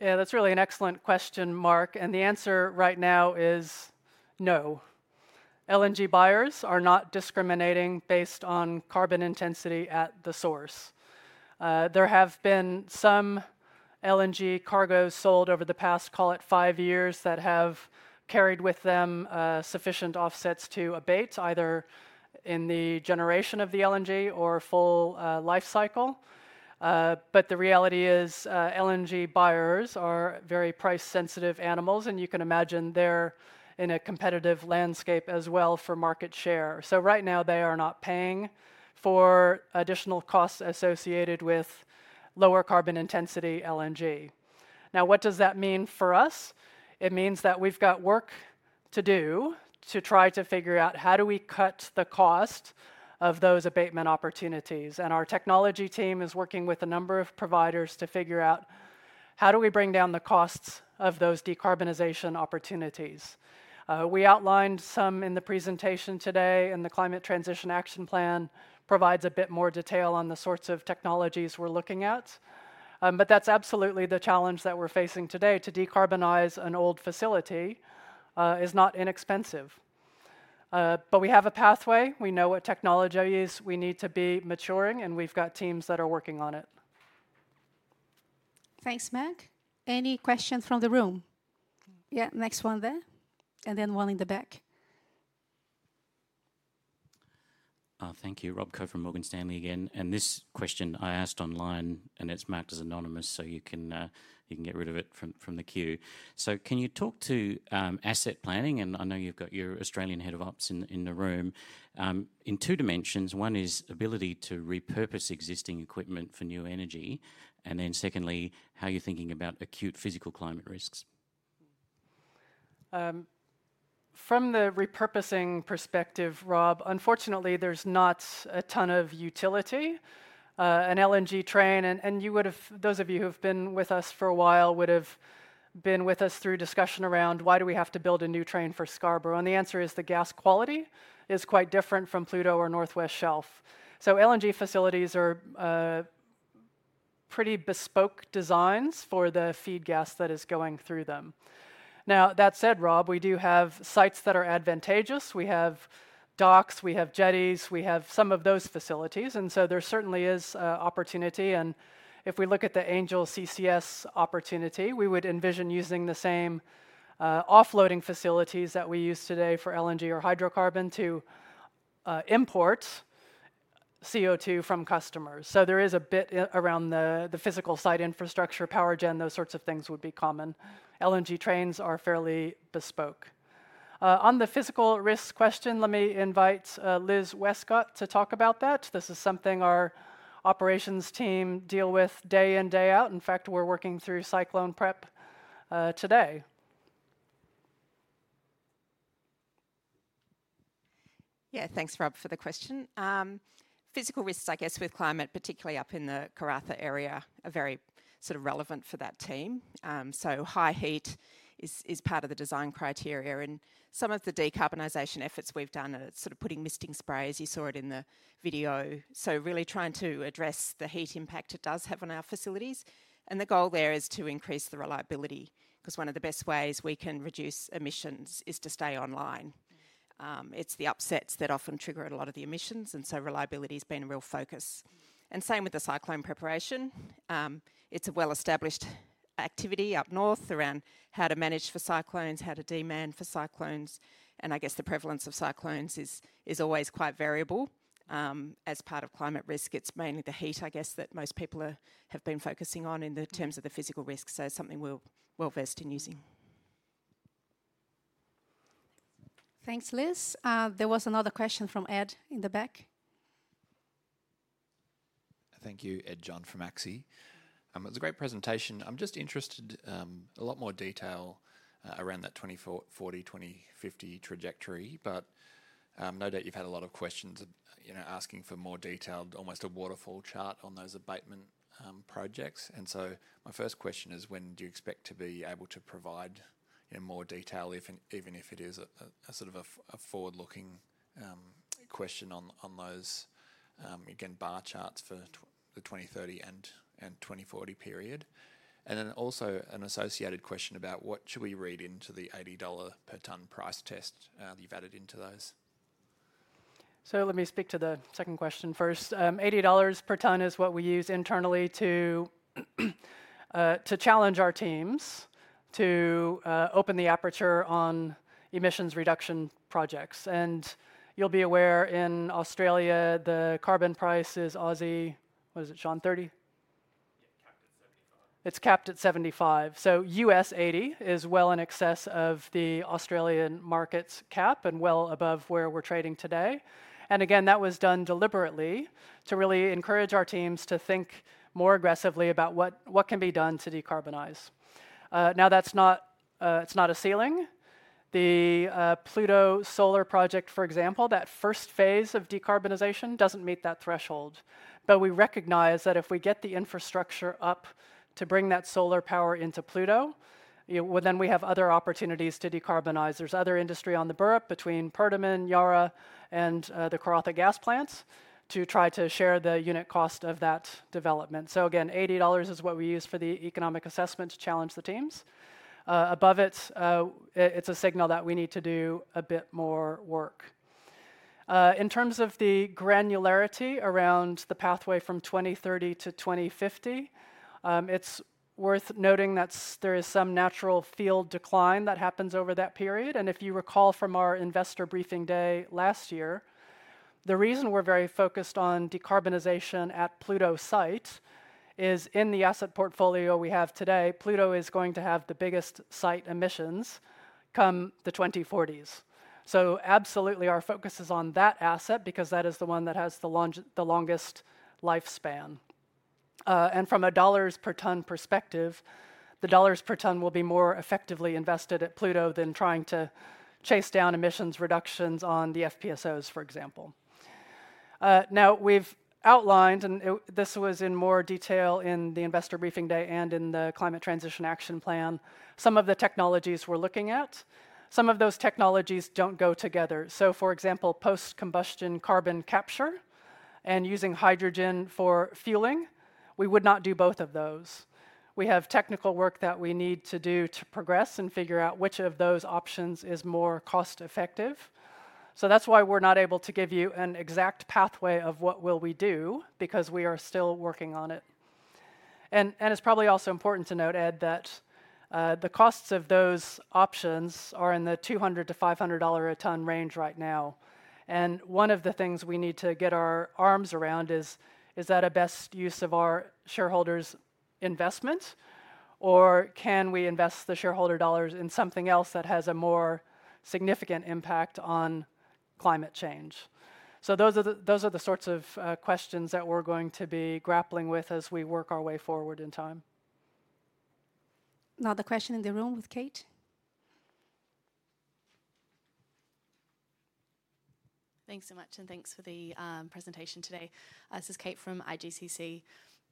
Yeah. That's really an excellent question, Mark. The answer right now is no. LNG buyers are not discriminating based on carbon intensity at the source. There have been some LNG cargoes sold over the past, call it, 5 years that have carried with them sufficient offsets to abate, either in the generation of the LNG or full life cycle. The reality is, LNG buyers are very price-sensitive animals. You can imagine they're in a competitive landscape as well for market share. Right now, they are not paying for additional costs associated with lower carbon intensity LNG. What does that mean for us? It means that we've got work to do to try to figure out, how do we cut the cost of those abatement opportunities? Our technology team is working with a number of providers to figure out, how do we bring down the costs of those decarbonization opportunities? We outlined some in the presentation today. And the Climate Transition Action Plan provides a bit more detail on the sorts of technologies we're looking at. But that's absolutely the challenge that we're facing today. To decarbonize an old facility is not inexpensive. But we have a pathway. We know what technology is. We need to be maturing. And we've got teams that are working on it. Thanks, Meg. Any questions from the room? Yeah. Next one there. And then one in the back. Thank you. Rob Coe from Morgan Stanley again. This question I asked online. It's marked as anonymous. So you can get rid of it from the queue. Can you talk to asset planning? I know you've got your Australian head of ops in the room. In two dimensions, one is ability to repurpose existing equipment for new energy. Then secondly, how you're thinking about acute physical climate risks. From the repurposing perspective, Rob, unfortunately, there's not a ton of utility. An LNG train, and those of you who have been with us for a while would have been with us through discussion around, why do we have to build a new train for Scarborough? And the answer is, the gas quality is quite different from Pluto or Northwest Shelf. So LNG facilities are pretty bespoke designs for the feed gas that is going through them. Now, that said, Rob, we do have sites that are advantageous. We have docks. We have jetties. We have some of those facilities. And so there certainly is opportunity. And if we look at the Angel CCS opportunity, we would envision using the same offloading facilities that we use today for LNG or hydrocarbon to import CO2 from customers. So there is a bit around the physical site infrastructure, power gen, those sorts of things would be common. LNG trains are fairly bespoke. On the physical risk question, let me invite Liz Westcott to talk about that. This is something our operations team deal with day in, day out. In fact, we're working through cyclone prep today. Yeah. Thanks, Rob, for the question. Physical risks, I guess, with climate, particularly up in the Karratha area, are very relevant for that team. High heat is part of the design criteria. Some of the decarbonization efforts we've done are sort of putting misting sprays. You saw it in the video. Really trying to address the heat impact it does have on our facilities. The goal there is to increase the reliability. Because one of the best ways we can reduce emissions is to stay online. It's the upsets that often trigger a lot of the emissions. Reliability has been a real focus. Same with the cyclone preparation. It's a well-established activity up north around how to manage for cyclones, how to prepare for cyclones. I guess the prevalence of cyclones is always quite variable. As part of climate risk, it's mainly the heat, I guess, that most people have been focusing on in terms of the physical risks. So it's something we're well-versed in using. Thanks, Liz. There was another question from Ed in the back. Thank you, Ed John from ACSI. It was a great presentation. I'm just interested in a lot more detail around that 2040-2050 trajectory. But no doubt you've had a lot of questions asking for more detail, almost a waterfall chart on those abatement projects. And so my first question is, when do you expect to be able to provide more detail, even if it is a forward-looking question on those, again, bar charts for the 2030 and 2040 period? And then also an associated question about, what should we read into the $80 per ton price test that you've added into those? Let me speak to the second question first. $80 per ton is what we use internally to challenge our teams to open the aperture on emissions reduction projects. And you'll be aware, in Australia, the carbon price is Aussie what is it, Shaun? 30? Yeah. Capped at $75. It's capped at 75. So $80 is well in excess of the Australian market's cap and well above where we're trading today. And again, that was done deliberately to really encourage our teams to think more aggressively about what can be done to decarbonize. Now, it's not a ceiling. The Pluto solar project, for example, that first phase of decarbonization doesn't meet that threshold. But we recognize that if we get the infrastructure up to bring that solar power into Pluto, then we have other opportunities to decarbonize. There's other industry on the Burrup between Perdaman, Yara, and the Karratha gas plants to try to share the unit cost of that development. So again, $80 is what we use for the economic assessment to challenge the teams. Above it, it's a signal that we need to do a bit more work. In terms of the granularity around the pathway from 2030 to 2050, it's worth noting that there is some natural field decline that happens over that period. And if you recall from our investor briefing day last year, the reason we're very focused on decarbonization at Pluto site is, in the asset portfolio we have today, Pluto is going to have the biggest site emissions come the 2040s. So absolutely, our focus is on that asset because that is the one that has the longest lifespan. And from a dollars per ton perspective, the dollars per ton will be more effectively invested at Pluto than trying to chase down emissions reductions on the FPSOs, for example. Now, we've outlined, and this was in more detail in the investor briefing day and in the Climate Transition Action Plan, some of the technologies we're looking at. Some of those technologies don't go together. So for example, post-combustion carbon capture and using hydrogen for fueling, we would not do both of those. We have technical work that we need to do to progress and figure out which of those options is more cost-effective. So that's why we're not able to give you an exact pathway of what will we do because we are still working on it. And it's probably also important to note, Ed, that the costs of those options are in the $200-$500 a ton range right now. And one of the things we need to get our arms around is, is that a best use of our shareholders' investment? Or can we invest the shareholder dollars in something else that has a more significant impact on climate change? Those are the sorts of questions that we're going to be grappling with as we work our way forward in time. Another question in the room with Kate? Thanks so much. And thanks for the presentation today. This is Kate from IGCC.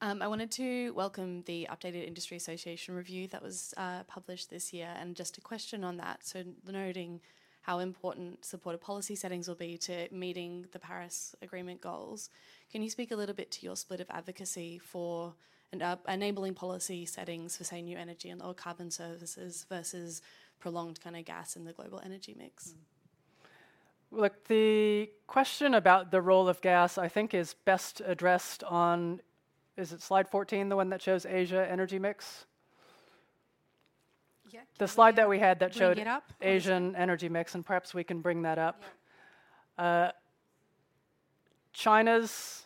I wanted to welcome the Updated Industry Association review that was published this year. And just a question on that. So noting how important supportive policy settings will be to meeting the Paris Agreement goals, can you speak a little bit to your split of advocacy for enabling policy settings for, say, new energy and low carbon services versus prolonged kind of gas in the global energy mix? Look, the question about the role of gas, I think, is best addressed on, is it, slide 14, the one that shows Asia energy mix? Yeah. The slide that we had that showed Asian energy mix. And perhaps we can bring that up. China's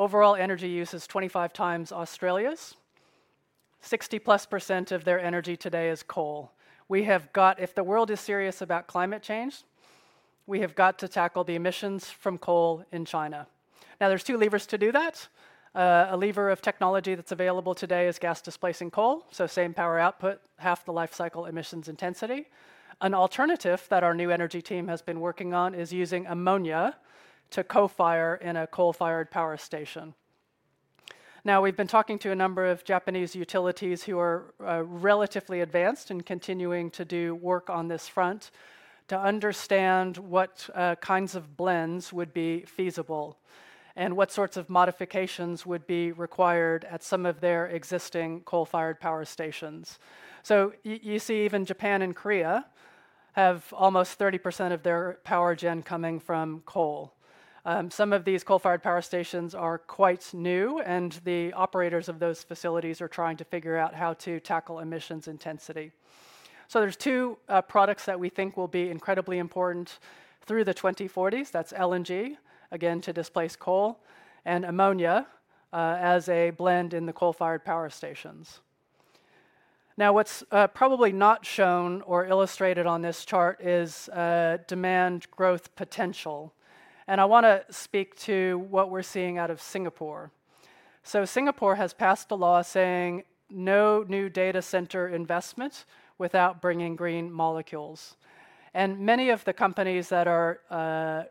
overall energy use is 25 times Australia's. 60+% of their energy today is coal. We have got if the world is serious about climate change, we have got to tackle the emissions from coal in China. Now, there's two levers to do that. A lever of technology that's available today is gas displacing coal. So same power output, half the lifecycle emissions intensity. An alternative that our new energy team has been working on is using ammonia to co-fire in a coal-fired power station. Now, we've been talking to a number of Japanese utilities who are relatively advanced and continuing to do work on this front to understand what kinds of blends would be feasible and what sorts of modifications would be required at some of their existing coal-fired power stations. So you see, even Japan and Korea have almost 30% of their power gen coming from coal. Some of these coal-fired power stations are quite new. The operators of those facilities are trying to figure out how to tackle emissions intensity. There's two products that we think will be incredibly important through the 2040s. That's LNG, again, to displace coal, and ammonia as a blend in the coal-fired power stations. Now, what's probably not shown or illustrated on this chart is demand growth potential. I want to speak to what we're seeing out of Singapore. Singapore has passed a law saying, no new data center investment without bringing green molecules. Many of the companies that are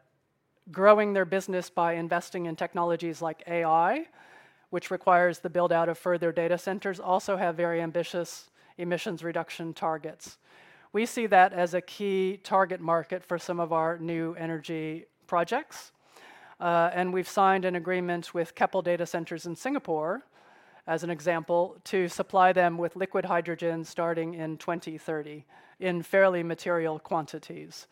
growing their business by investing in technologies like AI, which requires the build-out of further data centers, also have very ambitious emissions reduction targets. We see that as a key target market for some of our new energy projects. We've signed an agreement with Keppel Data Centres in Singapore, as an example, to supply them with liquid hydrogen starting in 2030 in fairly material quantities.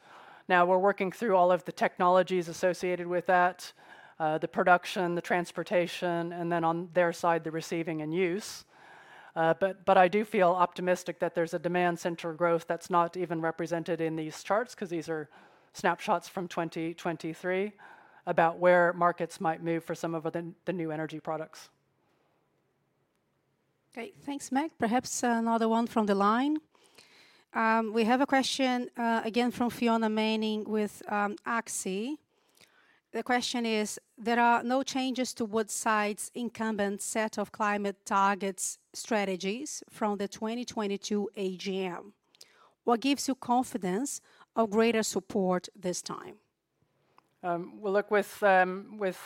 Now, we're working through all of the technologies associated with that, the production, the transportation, and then on their side, the receiving and use. But I do feel optimistic that there's a demand center growth that's not even represented in these charts because these are snapshots from 2023 about where markets might move for some of the new energy products. Great. Thanks, Meg. Perhaps another one from the line. We have a question, again, from Fiona Hick with AXI. The question is, there are no changes to Woodside's incumbent set of climate targets strategies from the 2022 AGM. What gives you confidence of greater support this time? Well, look, with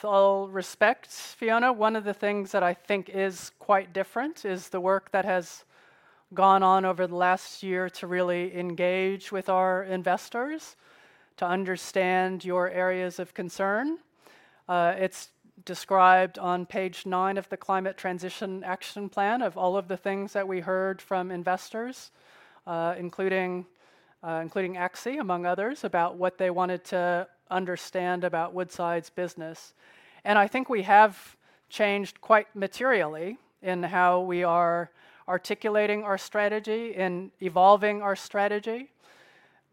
all respect, Fiona, one of the things that I think is quite different is the work that has gone on over the last year to really engage with our investors, to understand your areas of concern. It's described on page 9 of the Climate Transition Action Plan of all of the things that we heard from investors, including AXI, among others, about what they wanted to understand about Woodside's business. I think we have changed quite materially in how we are articulating our strategy and evolving our strategy.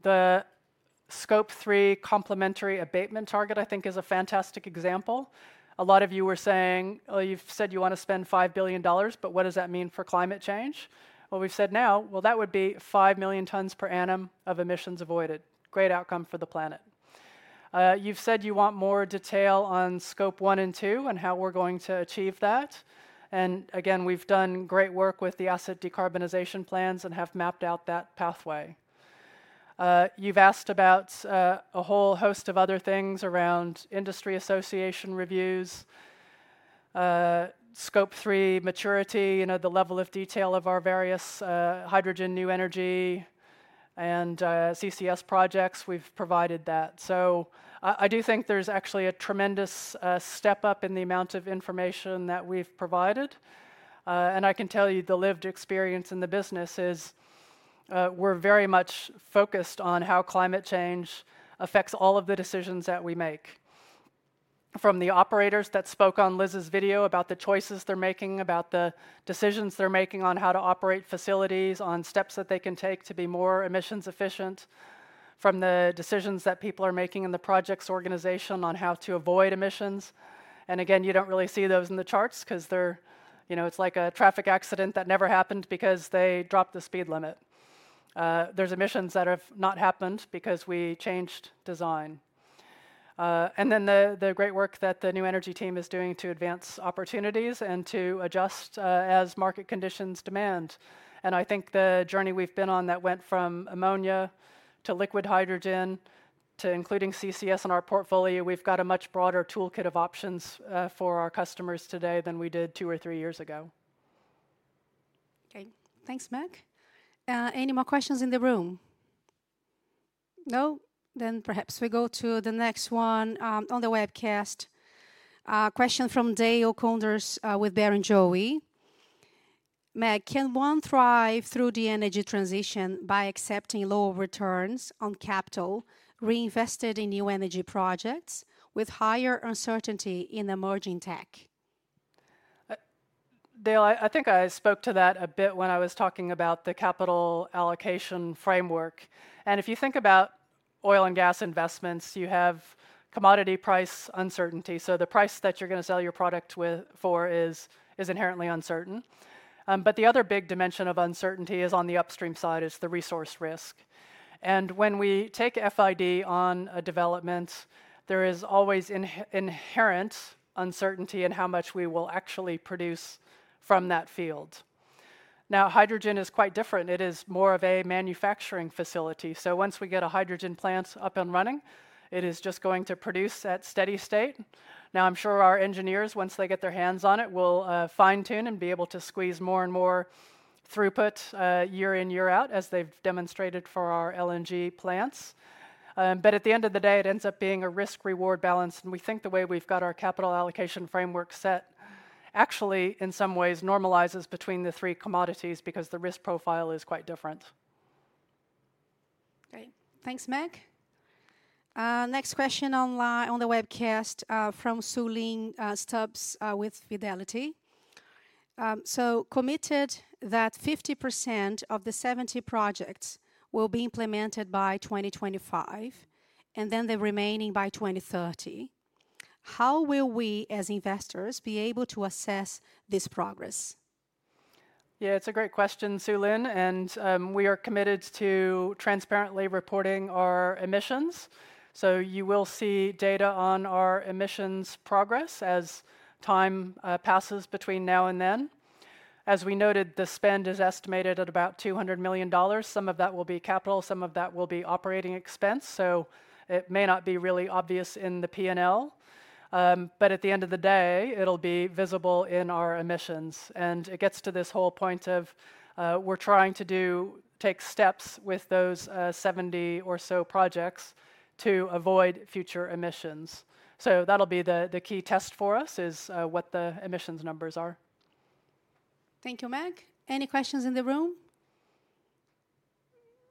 The Scope 3 complementary abatement target, I think, is a fantastic example. A lot of you were saying, well, you've said you want to spend $5 billion. But what does that mean for climate change? Well, we've said now, well, that would be 5 million tons per annum of emissions avoided. Great outcome for the planet. You've said you want more detail on Scope 1 and 2 and how we're going to achieve that. Again, we've done great work with the asset decarbonization plans and have mapped out that pathway. You've asked about a whole host of other things around industry association reviews, Scope 3 maturity, the level of detail of our various hydrogen new energy and CCS projects. We've provided that. I do think there's actually a tremendous step up in the amount of information that we've provided. I can tell you the lived experience in the business is, we're very much focused on how climate change affects all of the decisions that we make. From the operators that spoke on Liz's video about the choices they're making, about the decisions they're making on how to operate facilities, on steps that they can take to be more emissions efficient, from the decisions that people are making in the projects organization on how to avoid emissions and again, you don't really see those in the charts because it's like a traffic accident that never happened because they dropped the speed limit. There's emissions that have not happened because we changed design. And then the great work that the new energy team is doing to advance opportunities and to adjust as market conditions demand. And I think the journey we've been on that went from ammonia to liquid hydrogen to including CCS in our portfolio, we've got a much broader toolkit of options for our customers today than we did two or three years ago. Great. Thanks, Meg. Any more questions in the room? No? Then perhaps we go to the next one on the webcast. Question from Dale Koenders with Barrenjoey. Meg, can one thrive through the energy transition by accepting lower returns on capital reinvested in new energy projects with higher uncertainty in emerging tech? Dale, I think I spoke to that a bit when I was talking about the capital allocation framework. If you think about oil and gas investments, you have commodity price uncertainty. The price that you're going to sell your product for is inherently uncertain. The other big dimension of uncertainty is on the upstream side, is the resource risk. When we take FID on a development, there is always inherent uncertainty in how much we will actually produce from that field. Now, hydrogen is quite different. It is more of a manufacturing facility. Once we get a hydrogen plant up and running, it is just going to produce at steady state. Now, I'm sure our engineers, once they get their hands on it, will fine-tune and be able to squeeze more and more throughput year in, year out, as they've demonstrated for our LNG plants. At the end of the day, it ends up being a risk-reward balance. We think the way we've got our capital allocation framework set actually, in some ways, normalizes between the three commodities because the risk profile is quite different. Great. Thanks, Meg. Next question on the webcast from Su-Ling Stubbs with Fidelity. So committed that 50% of the 70 projects will be implemented by 2025 and then the remaining by 2030, how will we, as investors, be able to assess this progress? Yeah, it's a great question, Sue Lyn. We are committed to transparently reporting our emissions. You will see data on our emissions progress as time passes between now and then. As we noted, the spend is estimated at about $200 million. Some of that will be capital. Some of that will be operating expense. It may not be really obvious in the P&L. But at the end of the day, it'll be visible in our emissions. It gets to this whole point of, we're trying to take steps with those 70 or so projects to avoid future emissions. That'll be the key test for us, is what the emissions numbers are. Thank you, Meg. Any questions in the room?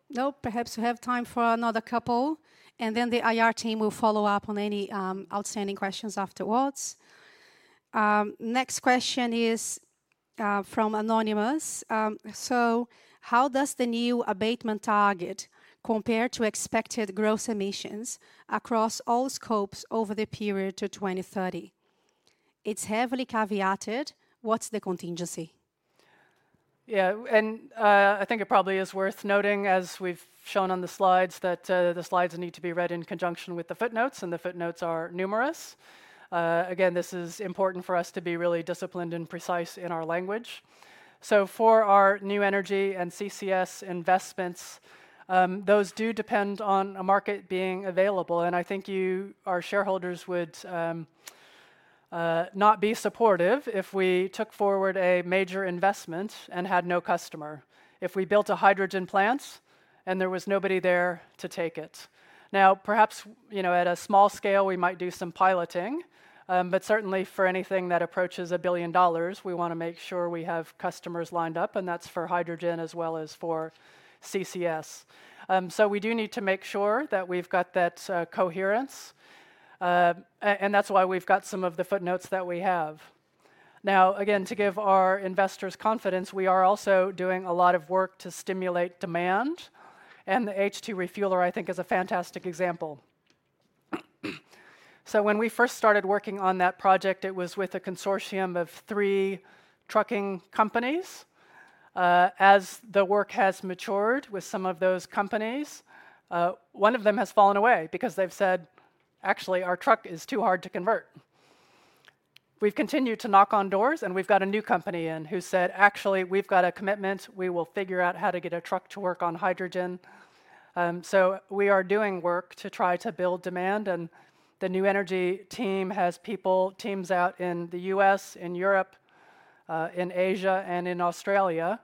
No? Perhaps we have time for another couple. And then the IR team will follow up on any outstanding questions afterwards. Next question is from Anonymous. So how does the new abatement target compare to expected gross emissions across all scopes over the period to 2030? It's heavily caveated. What's the contingency? Yeah. I think it probably is worth noting, as we've shown on the slides, that the slides need to be read in conjunction with the footnotes. The footnotes are numerous. Again, this is important for us to be really disciplined and precise in our language. For our new energy and CCS investments, those do depend on a market being available. I think you, our shareholders, would not be supportive if we took forward a major investment and had no customer, if we built a hydrogen plant and there was nobody there to take it. Now, perhaps at a small scale, we might do some piloting. Certainly, for anything that approaches $1 billion, we want to make sure we have customers lined up. That's for hydrogen as well as for CCS. We do need to make sure that we've got that coherence. And that's why we've got some of the footnotes that we have. Now, again, to give our investors confidence, we are also doing a lot of work to stimulate demand. And the H2 Refueller, I think, is a fantastic example. So when we first started working on that project, it was with a consortium of three trucking companies. As the work has matured with some of those companies, one of them has fallen away because they've said, actually, our truck is too hard to convert. We've continued to knock on doors. And we've got a new company in who said, actually, we've got a commitment. We will figure out how to get a truck to work on hydrogen. So we are doing work to try to build demand. The new energy team has people, teams out in the U.S., in Europe, in Asia, and in Australia,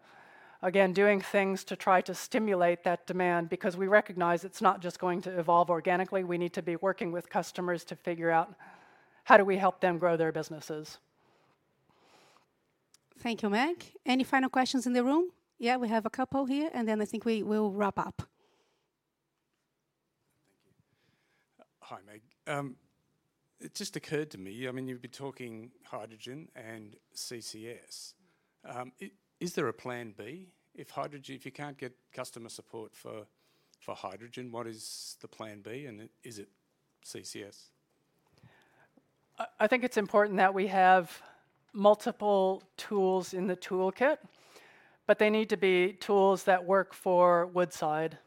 again, doing things to try to stimulate that demand because we recognize it's not just going to evolve organically. We need to be working with customers to figure out, how do we help them grow their businesses? Thank you, Meg. Any final questions in the room? Yeah, we have a couple here. And then I think we will wrap up. Thank you. Hi, Meg. It just occurred to me, I mean, you've been talking hydrogen and CCS. Is there a plan B? If you can't get customer support for hydrogen, what is the plan B? And is it CCS? I think it's important that we have multiple tools in the toolkit. But they need to be tools that work for Woodside.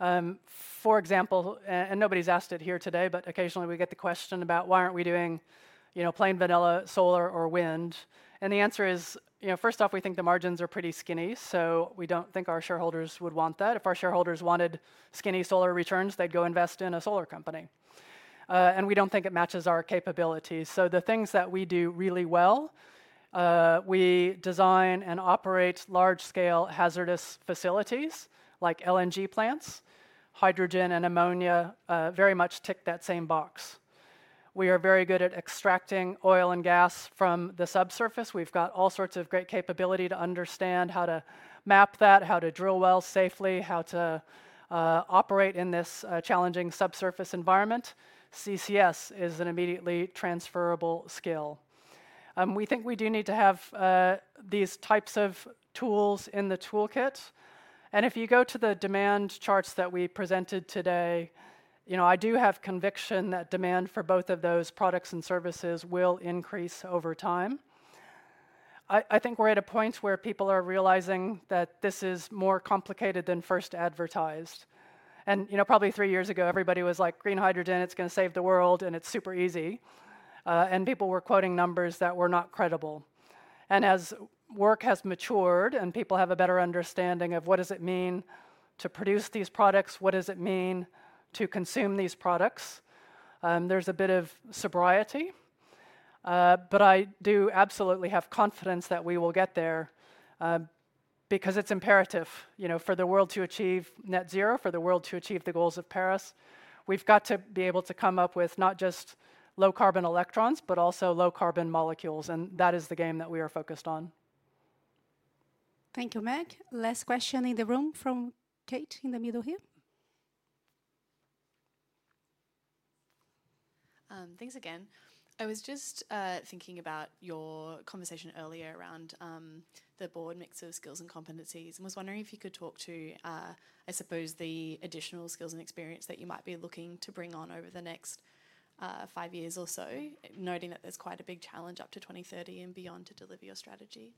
For example, and nobody's asked it here today. But occasionally, we get the question about, why aren't we doing plain vanilla solar or wind? And the answer is, first off, we think the margins are pretty skinny. So we don't think our shareholders would want that. If our shareholders wanted skinny solar returns, they'd go invest in a solar company. And we don't think it matches our capabilities. So the things that we do really well, we design and operate large-scale, hazardous facilities like LNG plants. Hydrogen and ammonia very much tick that same box. We are very good at extracting oil and gas from the subsurface. We've got all sorts of great capability to understand how to map that, how to drill wells safely, how to operate in this challenging subsurface environment. CCS is an immediately transferable skill. We think we do need to have these types of tools in the toolkit. If you go to the demand charts that we presented today, I do have conviction that demand for both of those products and services will increase over time. I think we're at a point where people are realizing that this is more complicated than first advertised. Probably three years ago, everybody was like, green hydrogen, it's going to save the world. And it's super easy. People were quoting numbers that were not credible. As work has matured and people have a better understanding of, what does it mean to produce these products? What does it mean to consume these products? There's a bit of sobriety. But I do absolutely have confidence that we will get there because it's imperative for the world to achieve net zero, for the world to achieve the goals of Paris. We've got to be able to come up with not just low-carbon electrons but also low-carbon molecules. And that is the game that we are focused on. Thank you, Meg. Last question in the room from Kate in the middle here. Thanks again. I was just thinking about your conversation earlier around the broad mix of skills and competencies. Was wondering if you could talk to, I suppose, the additional skills and experience that you might be looking to bring on over the next five years or so, noting that there's quite a big challenge up to 2030 and beyond to deliver your strategy?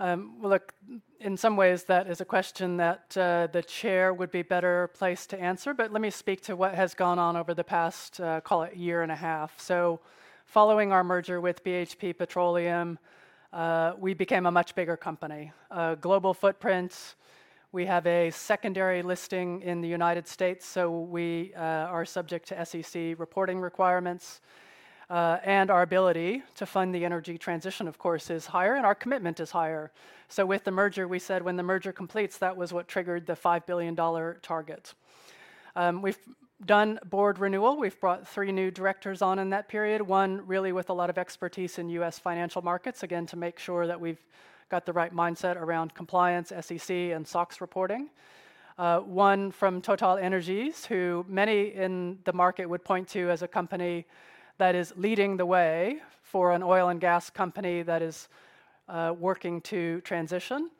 Well, look, in some ways, that is a question that the chair would be better placed to answer. But let me speak to what has gone on over the past, call it, year and a half. So following our merger with BHP Petroleum, we became a much bigger company, a global footprint. We have a secondary listing in the United States. So we are subject to SEC reporting requirements. And our ability to fund the energy transition, of course, is higher. And our commitment is higher. So with the merger, we said, when the merger completes, that was what triggered the $5 billion target. We've done board renewal. We've brought three new directors on in that period, one really with a lot of expertise in U.S. financial markets, again, to make sure that we've got the right mindset around compliance, SEC, and SOX reporting, one from TotalEnergies, who many in the market would point to as a company that is leading the way for an oil and gas company that is working to transition.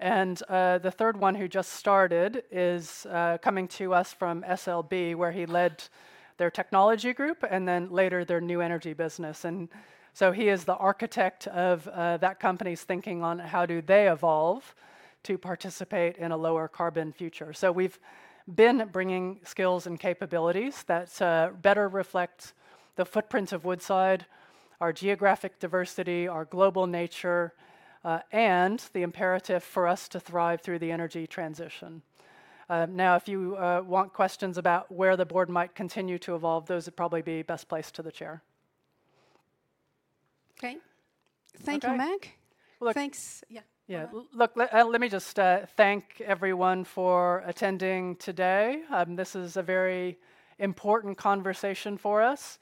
And the third one, who just started, is coming to us from SLB, where he led their technology group and then later their new energy business. And so he is the architect of that company's thinking on, how do they evolve to participate in a lower-carbon future? So we've been bringing skills and capabilities that better reflect the footprint of Woodside, our geographic diversity, our global nature, and the imperative for us to thrive through the energy transition. Now, if you want questions about where the board might continue to evolve, those would probably be best placed to the chair. Great. Thank you, Meg. Well, look. Thanks. Yeah. Yeah. Look, let me just thank everyone for attending today. This is a very important conversation for us.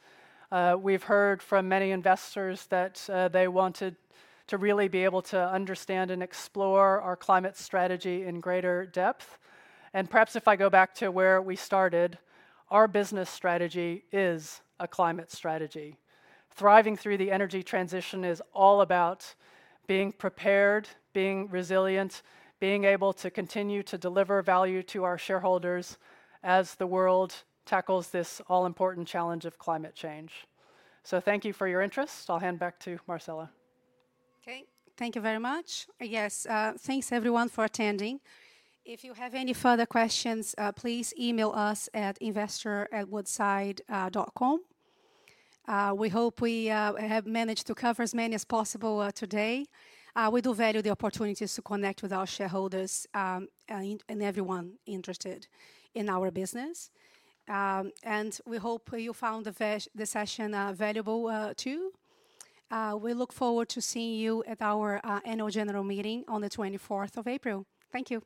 We've heard from many investors that they wanted to really be able to understand and explore our climate strategy in greater depth. Perhaps if I go back to where we started, our business strategy is a climate strategy. Thriving through the energy transition is all about being prepared, being resilient, being able to continue to deliver value to our shareholders as the world tackles this all-important challenge of climate change. So thank you for your interest. I'll hand back to Marcela. OK. Thank you very much. Yes, thanks, everyone, for attending. If you have any further questions, please email us at investor@woodside.com. We hope we have managed to cover as many as possible today. We do value the opportunities to connect with our shareholders and everyone interested in our business. And we hope you found the session valuable too. We look forward to seeing you at our annual general meeting on the 24th of April. Thank you.